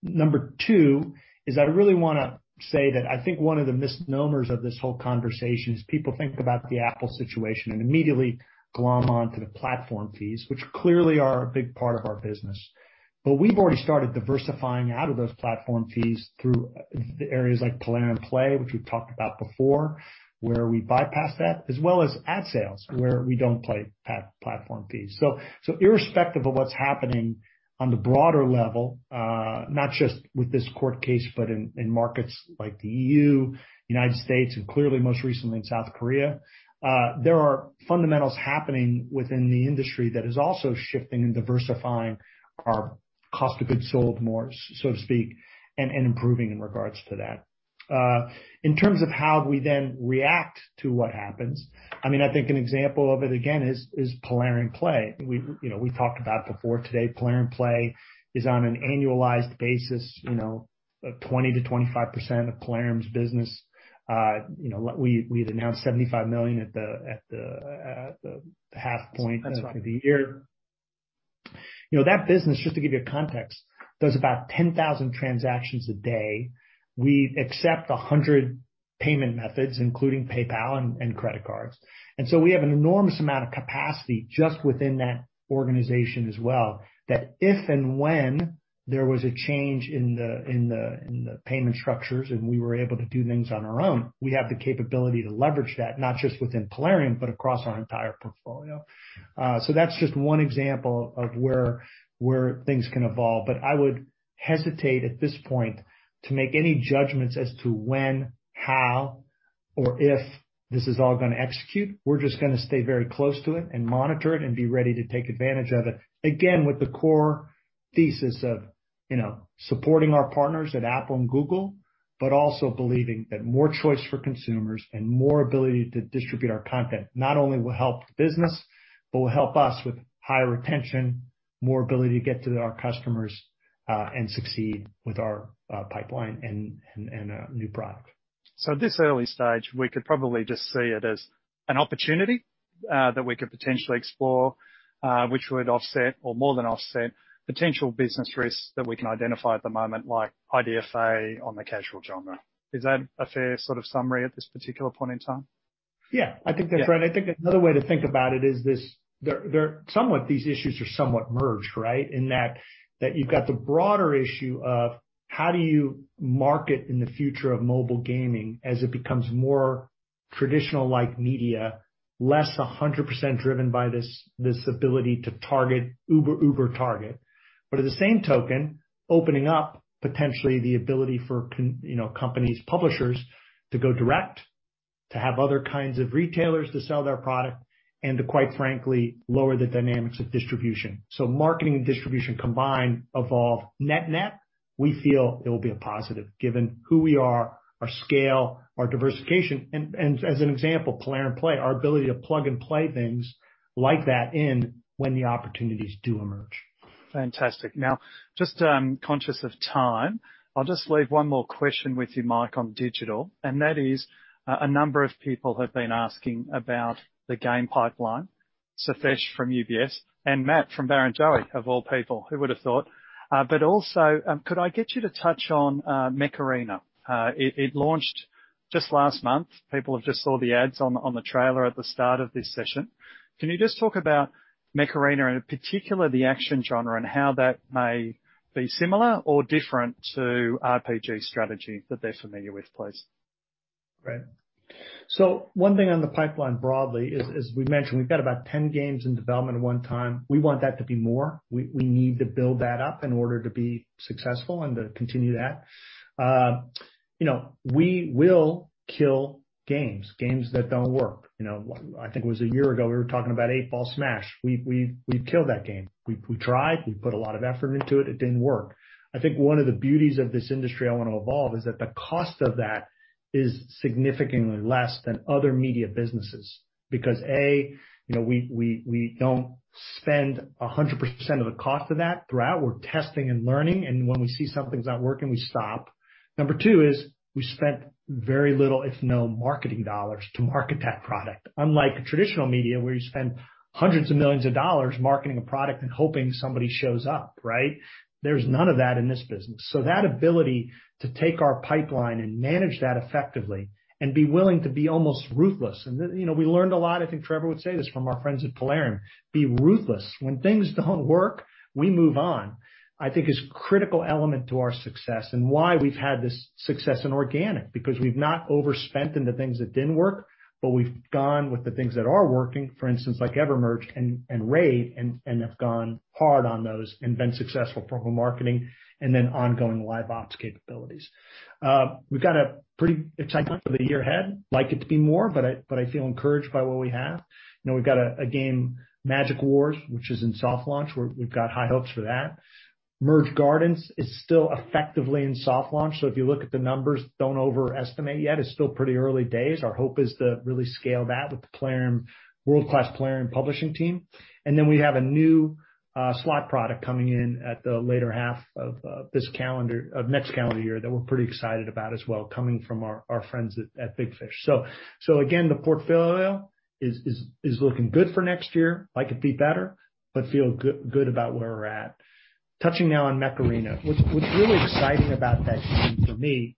[SPEAKER 3] Number two is I really want to say that I think one of the misnomers of this whole conversation is people think about the Apple situation and immediately glom onto the platform fees, which clearly are a big part of our business. We've already started diversifying out of those platform fees through areas like Plarium and Futureplay, which we've talked about before, where we bypass that, as well as ad sales where we don't pay platform fees. Irrespective of what's happening on the broader level, not just with this court case, but in markets like the EU, United States, and clearly most recently in South Korea, there are fundamentals happening within the industry that is also shifting and diversifying our cost of goods sold more, so to speak, and improving in regards to that. In terms of how we then react to what happens, I mean, I think an example of it again is Plarium and Playsoft. You know, we talked about before today, Plarium and Playsoft is on an annualized basis, you know, 20%-25% of Plarium's business. You know, we had announced $75 million at the half point of the year. You know, that business, just to give you a context, does about 10,000 transactions a day. We accept 100 payment methods, including PayPal and credit cards. We have an enormous amount of capacity just within that organization as well that if and when there was a change in the payment structures and we were able to do things on our own, we have the capability to leverage that, not just within Plarium, but across our entire portfolio. That is just one example of where things can evolve. I would hesitate at this point to make any judgments as to when, how, or if this is all going to execute. We are just going to stay very close to it and monitor it and be ready to take advantage of it. Again, with the core thesis of, you know, supporting our partners at Apple and Google, but also believing that more choice for consumers and more ability to distribute our content not only will help the business, but will help us with higher retention, more ability to get to our customers and succeed with our pipeline and a new product.
[SPEAKER 1] At this early stage, we could probably just see it as an opportunity that we could potentially explore, which would offset or more than offset potential business risks that we can identify at the moment, like IDFA on the casual genre. Is that a fair sort of summary at this particular point in time?
[SPEAKER 3] Yeah, I think that's right. I think another way to think about it is this, they're somewhat, these issues are somewhat merged, right? In that you've got the broader issue of how do you market in the future of mobile gaming as it becomes more traditional-like media, less 100% driven by this ability to target, uber, Uber target. At the same token, opening up potentially the ability for, you know, companies, publishers to go direct, to have other kinds of retailers to sell their product and to, quite frankly, lower the dynamics of distribution. Marketing and distribution combined evolve net-net. We feel it will be a positive given who we are, our scale, our diversification. As an example, Plarium and Playsoft, our ability to plug and play things like that in when the opportunities do emerge.
[SPEAKER 1] Fantastic. Now, just conscious of time, I'll just leave one more question with you, Mike, on digital. That is a number of people have been asking about the game pipeline, Sathish from UBS and Matt from Barrenjoey of all people, who would have thought. Also, could I get you to touch on Mech Arena? It launched just last month. People have just saw the ads on the trailer at the start of this session. Can you just talk about Mech Arena and in particular the action genre and how that may be similar or different to RPG strategy that they're familiar with, please?
[SPEAKER 3] Right. One thing on the pipeline broadly is, as we mentioned, we've got about 10 games in development at one time. We want that to be more. We need to build that up in order to be successful and to continue that. You know, we will kill games, games that don't work. You know, I think it was a year ago we were talking about 8 Ball Smash. We've killed that game. We tried, we put a lot of effort into it, it didn't work. I think one of the beauties of this industry I want to evolve is that the cost of that is significantly less than other media businesses because A, you know, we don't spend 100% of the cost of that throughout. We're testing and learning. When we see something's not working, we stop. Number two is we spent very little, if no marketing dollars to market that product. Unlike traditional media where you spend hundreds of millions of dollars marketing a product and hoping somebody shows up, right? There is none of that in this business. That ability to take our pipeline and manage that effectively and be willing to be almost ruthless. You know, we learned a lot. I think Trevor would say this from our friends at Plarium, be ruthless. When things do not work, we move on, I think is a critical element to our success and why we have had this success in organic because we have not overspent into things that did not work, but we have gone with the things that are working, for instance, like EverMerge and RAID and have gone hard on those and been successful from marketing and then ongoing live ops capabilities. We've got a pretty exciting year ahead. I'd like it to be more, but I feel encouraged by what we have. You know, we've got a game, Magic Wars, which is in soft launch. We've got high hopes for that. Merge Gardens is still effectively in soft launch. If you look at the numbers, don't overestimate yet. It's still pretty early days. Our hope is to really scale that with the Plarium, world-class Plarium publishing team. We have a new slot product coming in at the later half of this calendar, of next calendar year that we're pretty excited about as well, coming from our friends at Big Fish. The portfolio is looking good for next year. I'd like it to be better, but feel good about where we're at. Touching now on Mech Arena, what's really exciting about that game for me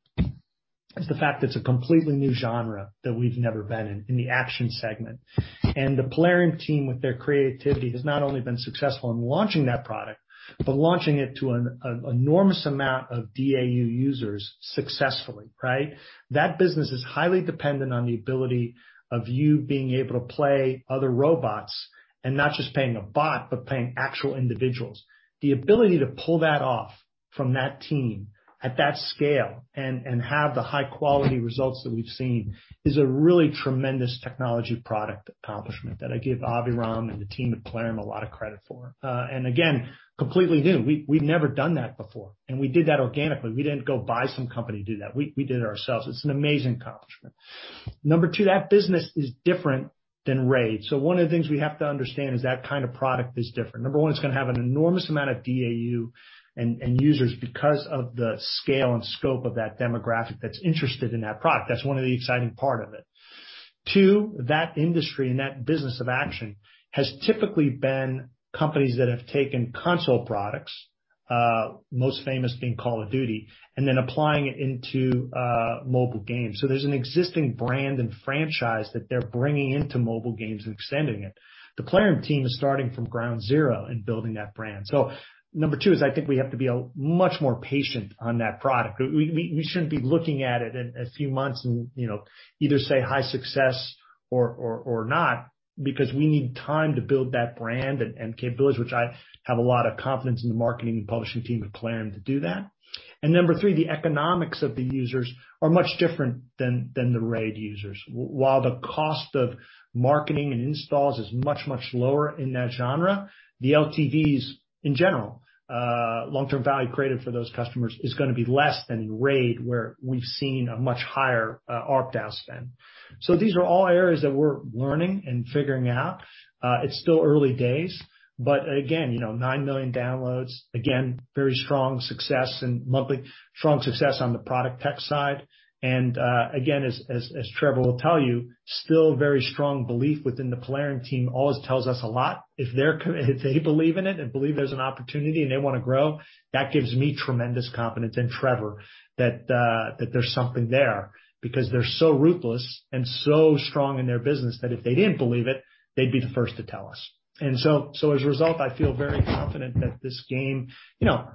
[SPEAKER 3] is the fact that it's a completely new genre that we've never been in, in the action segment. The Plarium team with their creativity has not only been successful in launching that product, but launching it to an enormous amount of DAU users successfully, right? That business is highly dependent on the ability of you being able to play other robots and not just playing a bot, but playing actual individuals. The ability to pull that off from that team at that scale and have the high quality results that we've seen is a really tremendous technology product accomplishment that I give Aviram and the team at Plarium a lot of credit for. Again, completely new. We've never done that before. We did that organically. We didn't go buy some company to do that. We did it ourselves. It's an amazing accomplishment. Number two, that business is different than RAID. One of the things we have to understand is that kind of product is different. Number one, it's going to have an enormous amount of DAU and users because of the scale and scope of that demographic that's interested in that product. That's one of the exciting parts of it. Two, that industry and that business of action has typically been companies that have taken console products, most famous being Call of Duty, and then applying it into mobile games. There's an existing brand and franchise that they're bringing into mobile games and extending it. The Plarium team is starting from ground zero in building that brand. Number two is I think we have to be much more patient on that product. We shouldn't be looking at it in a few months and, you know, either say high success or not because we need time to build that brand and capabilities, which I have a lot of confidence in the marketing and publishing team at Plarium to do that. Number three, the economics of the users are much different than the RAID users. While the cost of marketing and installs is much, much lower in that genre, the LTVs in general, long-term value created for those customers is going to be less than in RAID, where we've seen a much higher ARPDAU spend. These are all areas that we're learning and figuring out. It's still early days. You know, 9 million downloads, again, very strong success and monthly strong success on the product tech side. Again, as Trevor will tell you, still very strong belief within the Plarium team always tells us a lot. If they believe in it and believe there's an opportunity and they want to grow, that gives me tremendous confidence in Trevor that there's something there because they're so ruthless and so strong in their business that if they didn't believe it, they'd be the first to tell us. As a result, I feel very confident that this game, you know,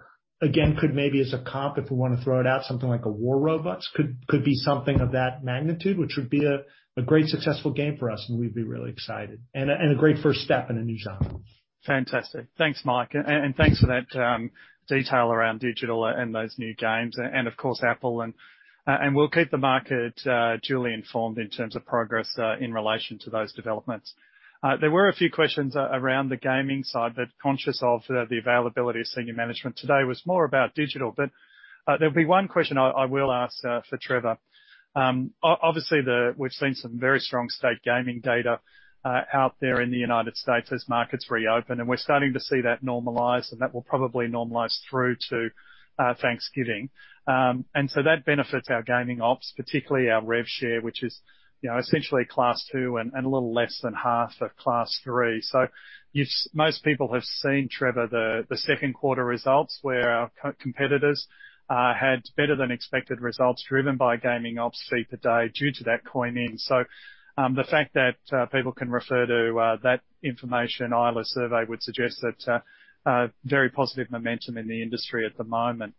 [SPEAKER 3] again, could maybe as a comp, if we want to throw it out, something like a War Robots could be something of that magnitude, which would be a great successful game for us. We'd be really excited and a great first step in a new genre.
[SPEAKER 1] Fantastic. Thanks, Mike. Thanks for that detail around digital and those new games. Of course, Apple. We will keep the market duly informed in terms of progress in relation to those developments. There were a few questions around the gaming side, but conscious of the availability of senior management today was more about digital. There will be one question I will ask for Trevor. Obviously, we have seen some very strong state gaming data out there in the United States as markets reopen. We are starting to see that normalize and that will probably normalize through to Thanksgiving. That benefits our gaming ops, particularly our rev share, which is, you know, essentially Class II and a little less than half of Class III. Most people have seen, Trevor, the second quarter results where our competitors had better than expected results driven by gaming ops fee per day due to that coin in. The fact that people can refer to that information, Eilers survey, would suggest that very positive momentum in the industry at the moment.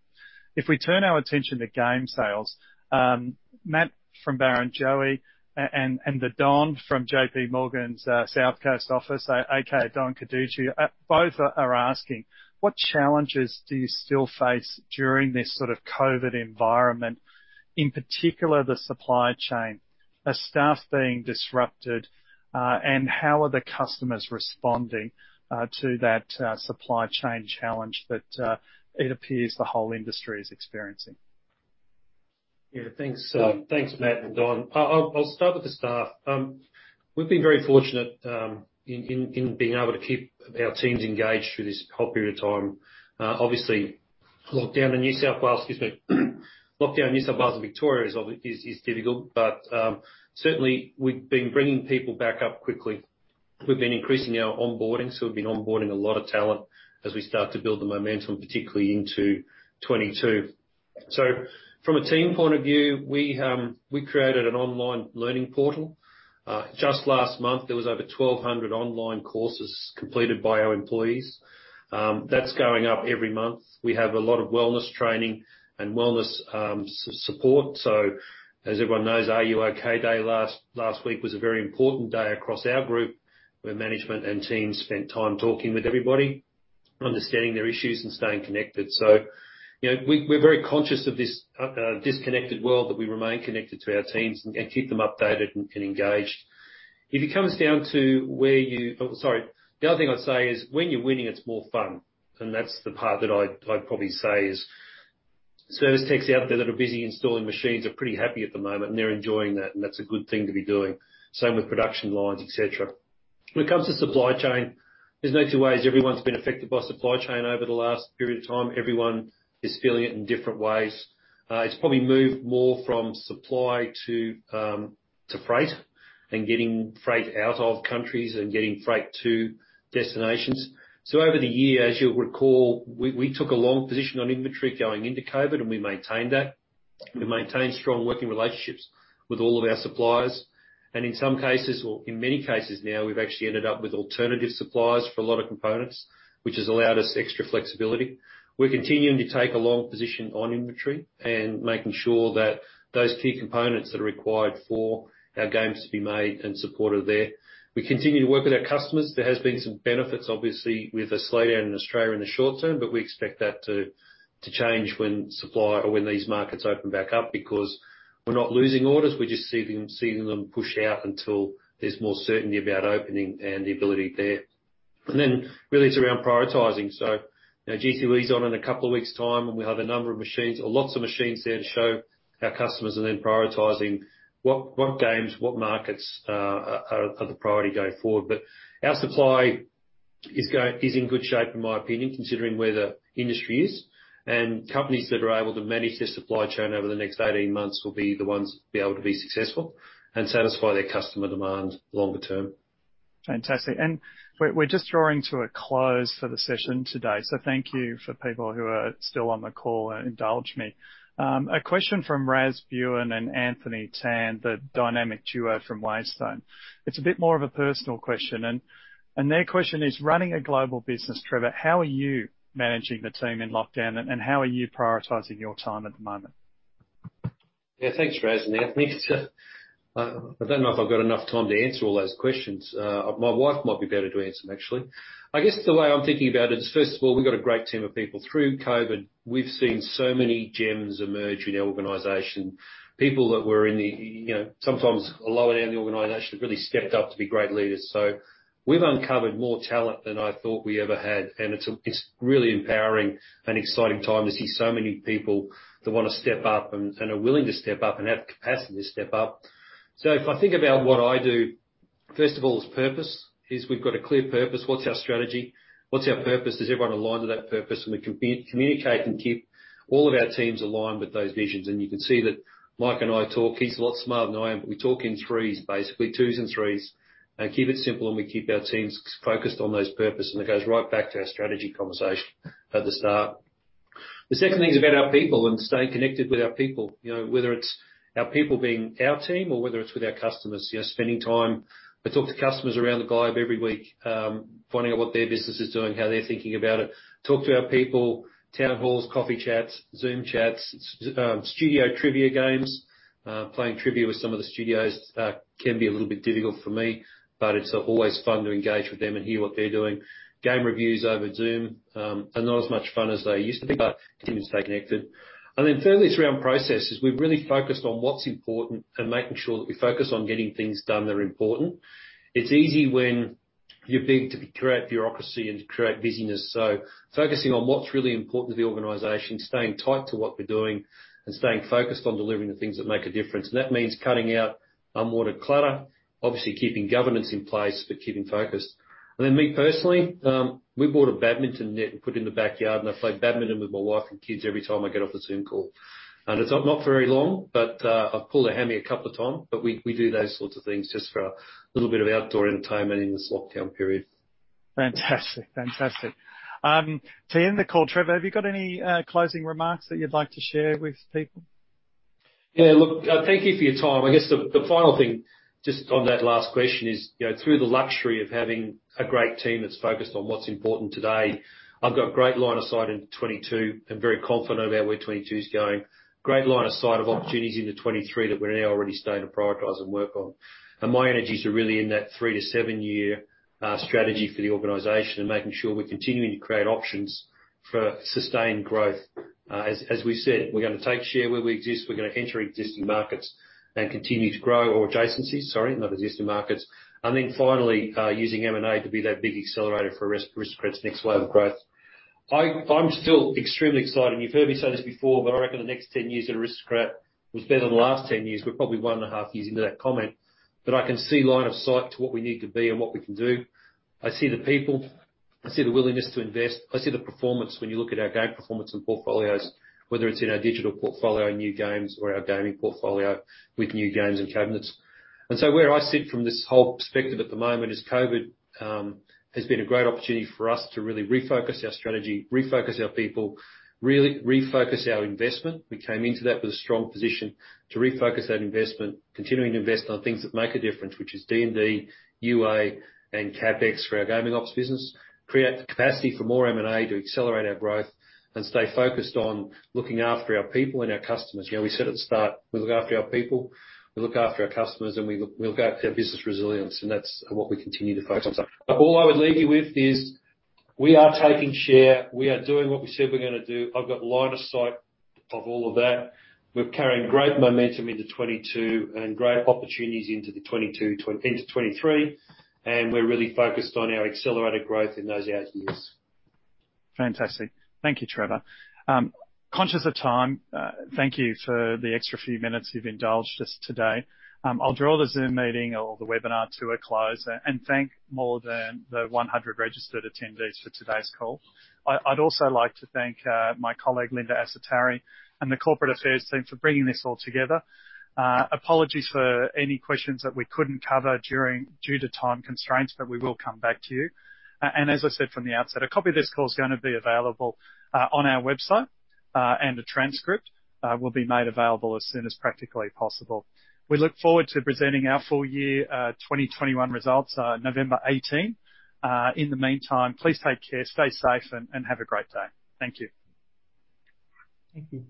[SPEAKER 1] If we turn our attention to game sales, Matt from Barrenjoey and Don from JP Morgan's South Coast office, aka Don Carducci, both are asking, what challenges do you still face during this sort of COVID environment, in particular the supply chain, staff being disrupted, and how are the customers responding to that supply chain challenge that it appears the whole industry is experiencing?
[SPEAKER 2] Yeah, thanks. Thanks, Matt and Don. I'll start with the staff. We've been very fortunate in being able to keep our teams engaged through this whole period of time. Obviously, lockdown in New South Wales, excuse me, lockdown in New South Wales and Victoria is difficult, but certainly we've been bringing people back up quickly. We've been increasing our onboarding. We've been onboarding a lot of talent as we start to build the momentum, particularly into 2022. From a team point of view, we created an online learning portal. Just last month, there were over 1,200 online courses completed by our employees. That's going up every month. We have a lot of wellness training and wellness support. As everyone knows, R U OK? Day last week was a very important day across our Group where management and teams spent time talking with everybody, understanding their issues and staying connected. We are very conscious of this disconnected world, but we remain connected to our teams and keep them updated and engaged. If it comes down to where you, sorry, the other thing I'd say is when you're winning, it's more fun. That's the part that I'd probably say is service techs out there that are busy installing machines are pretty happy at the moment, and they're enjoying that. That's a good thing to be doing. Same with production lines, et cetera. When it comes to supply chain, there's no two ways. Everyone's been affected by supply chain over the last period of time. Everyone is feeling it in different ways. It's probably moved more from supply to freight and getting freight out of countries and getting freight to destinations. Over the year, as you'll recall, we took a long position on inventory going into COVID, and we maintained that. We maintained strong working relationships with all of our suppliers. In some cases, or in many cases now, we've actually ended up with alternative suppliers for a lot of components, which has allowed us extra flexibility. We're continuing to take a long position on inventory and making sure that those key components that are required for our games to be made and supported are there. We continue to work with our customers. There has been some benefits, obviously, with a slowdown in Australia in the short term, but we expect that to change when supply or when these markets open back up because we're not losing orders. We're just seeing them push out until there's more certainty about opening and the ability there. It is really around prioritizing. G2E is on in a couple of weeks' time, and we'll have a number of machines or lots of machines there to show our customers and then prioritizing what games, what markets are the priority going forward. Our supply is in good shape, in my opinion, considering where the industry is. Companies that are able to manage their supply chain over the next 18 months will be the ones that will be able to be successful and satisfy their customer demand longer term.
[SPEAKER 1] Fantastic. We are just drawing to a close for the session today. Thank you for people who are still on the call and indulge me. A question from Raaz Bhuyan and Anthony Tan, the dynamic duo from WaveStone. It is a bit more of a personal question. Their question is, running a global business, Trevor, how are you managing the team in lockdown, and how are you prioritizing your time at the moment?
[SPEAKER 2] Yeah, thanks, Raaz and Anthony. I don't know if I've got enough time to answer all those questions. My wife might be better to answer them, actually. I guess the way I'm thinking about it is, first of all, we've got a great team of people. Through COVID, we've seen so many gems emerge in our organization, people that were in the, you know, sometimes lower down the organization have really stepped up to be great leaders. We've uncovered more talent than I thought we ever had. It's really empowering and exciting time to see so many people that want to step up and are willing to step up and have the capacity to step up. If I think about what I do, first of all, is purpose is we've got a clear purpose. What's our strategy? What's our purpose? Is everyone aligned with that purpose? We communicate and keep all of our teams aligned with those visions. You can see that Mike and I talk. He's a lot smarter than I am, but we talk in threes, basically twos and threes, and keep it simple. We keep our teams focused on those purposes. It goes right back to our strategy conversation at the start. The second thing is about our people and staying connected with our people, you know, whether it's our people being our team or whether it's with our customers, you know, spending time. I talk to customers around the globe every week, finding out what their business is doing, how they're thinking about it. Talk to our people, town halls, coffee chats, Zoom chats, studio trivia games. Playing trivia with some of the studios can be a little bit difficult for me, but it's always fun to engage with them and hear what they're doing. Game reviews over Zoom are not as much fun as they used to be, but it's good to stay connected. Thirdly, it's around processes. We've really focused on what's important and making sure that we focus on getting things done that are important. It's easy when you're big to create bureaucracy and to create busyness. Focusing on what's really important to the organization, staying tight to what we're doing, and staying focused on delivering the things that make a difference. That means cutting out unwanted clutter, obviously keeping governance in place, but keeping focused. Me personally, we bought a badminton net and put it in the backyard. I play badminton with my wife and kids every time I get off the Zoom call. It is not for very long, but I have pulled a hammy a couple of times. We do those sorts of things just for a little bit of outdoor entertainment in this lockdown period.
[SPEAKER 1] Fantastic. Fantastic. To end the call, Trevor, have you got any closing remarks that you'd like to share with people?
[SPEAKER 2] Yeah, look, thank you for your time. I guess the final thing just on that last question is, you know, through the luxury of having a great team that's focused on what's important today, I've got a great line of sight into 2022. I'm very confident about where 2022 is going. Great line of sight of opportunities into 2023 that we're now already starting to prioritize and work on. My energies are really in that three to seven-year strategy for the organization and making sure we're continuing to create options for sustained growth. As we've said, we're going to take share where we exist. We're going to enter adjacencies, sorry, not existing markets, and continue to grow. Finally, using M&A to be that big accelerator for Aristocrat's next wave of growth. I'm still extremely excited. You've heard me say this before, but I reckon the next 10 years at Aristocrat was better than the last 10 years. We're probably one and a half years into that comment, but I can see line of sight to what we need to be and what we can do. I see the people. I see the willingness to invest. I see the performance when you look at our game performance and portfolios, whether it's in our digital portfolio and new games or our gaming portfolio with new games and cabinets. Where I sit from this whole perspective at the moment is COVID has been a great opportunity for us to really refocus our strategy, refocus our people, really refocus our investment. We came into that with a strong position to refocus that investment, continuing to invest in things that make a difference, which is R&D, UA, and CapEx for our gaming ops business, create capacity for more M&A to accelerate our growth, and stay focused on looking after our people and our customers. You know, we said at the start, we look after our people, we look after our customers, and we look at our business resilience. That is what we continue to focus on. All I would leave you with is we are taking share. We are doing what we said we're going to do. I've got line of sight of all of that. We're carrying great momentum into 2022 and great opportunities into 2022 into 2023. We are really focused on our accelerated growth in those eight years.
[SPEAKER 1] Fantastic. Thank you, Trevor. Conscious of time, thank you for the extra few minutes you've indulged us today. I'll draw the Zoom meeting or the webinar to a close and thank more than the 100 registered attendees for today's call. I'd also like to thank my colleague, Linda Assatoury, and the corporate affairs team for bringing this all together. Apologies for any questions that we couldn't cover due to time constraints, but we will come back to you. As I said from the outset, a copy of this call is going to be available on our website, and a transcript will be made available as soon as practically possible. We look forward to presenting our full year 2021 results on November 18. In the meantime, please take care, stay safe, and have a great day. Thank you.
[SPEAKER 3] Thank you.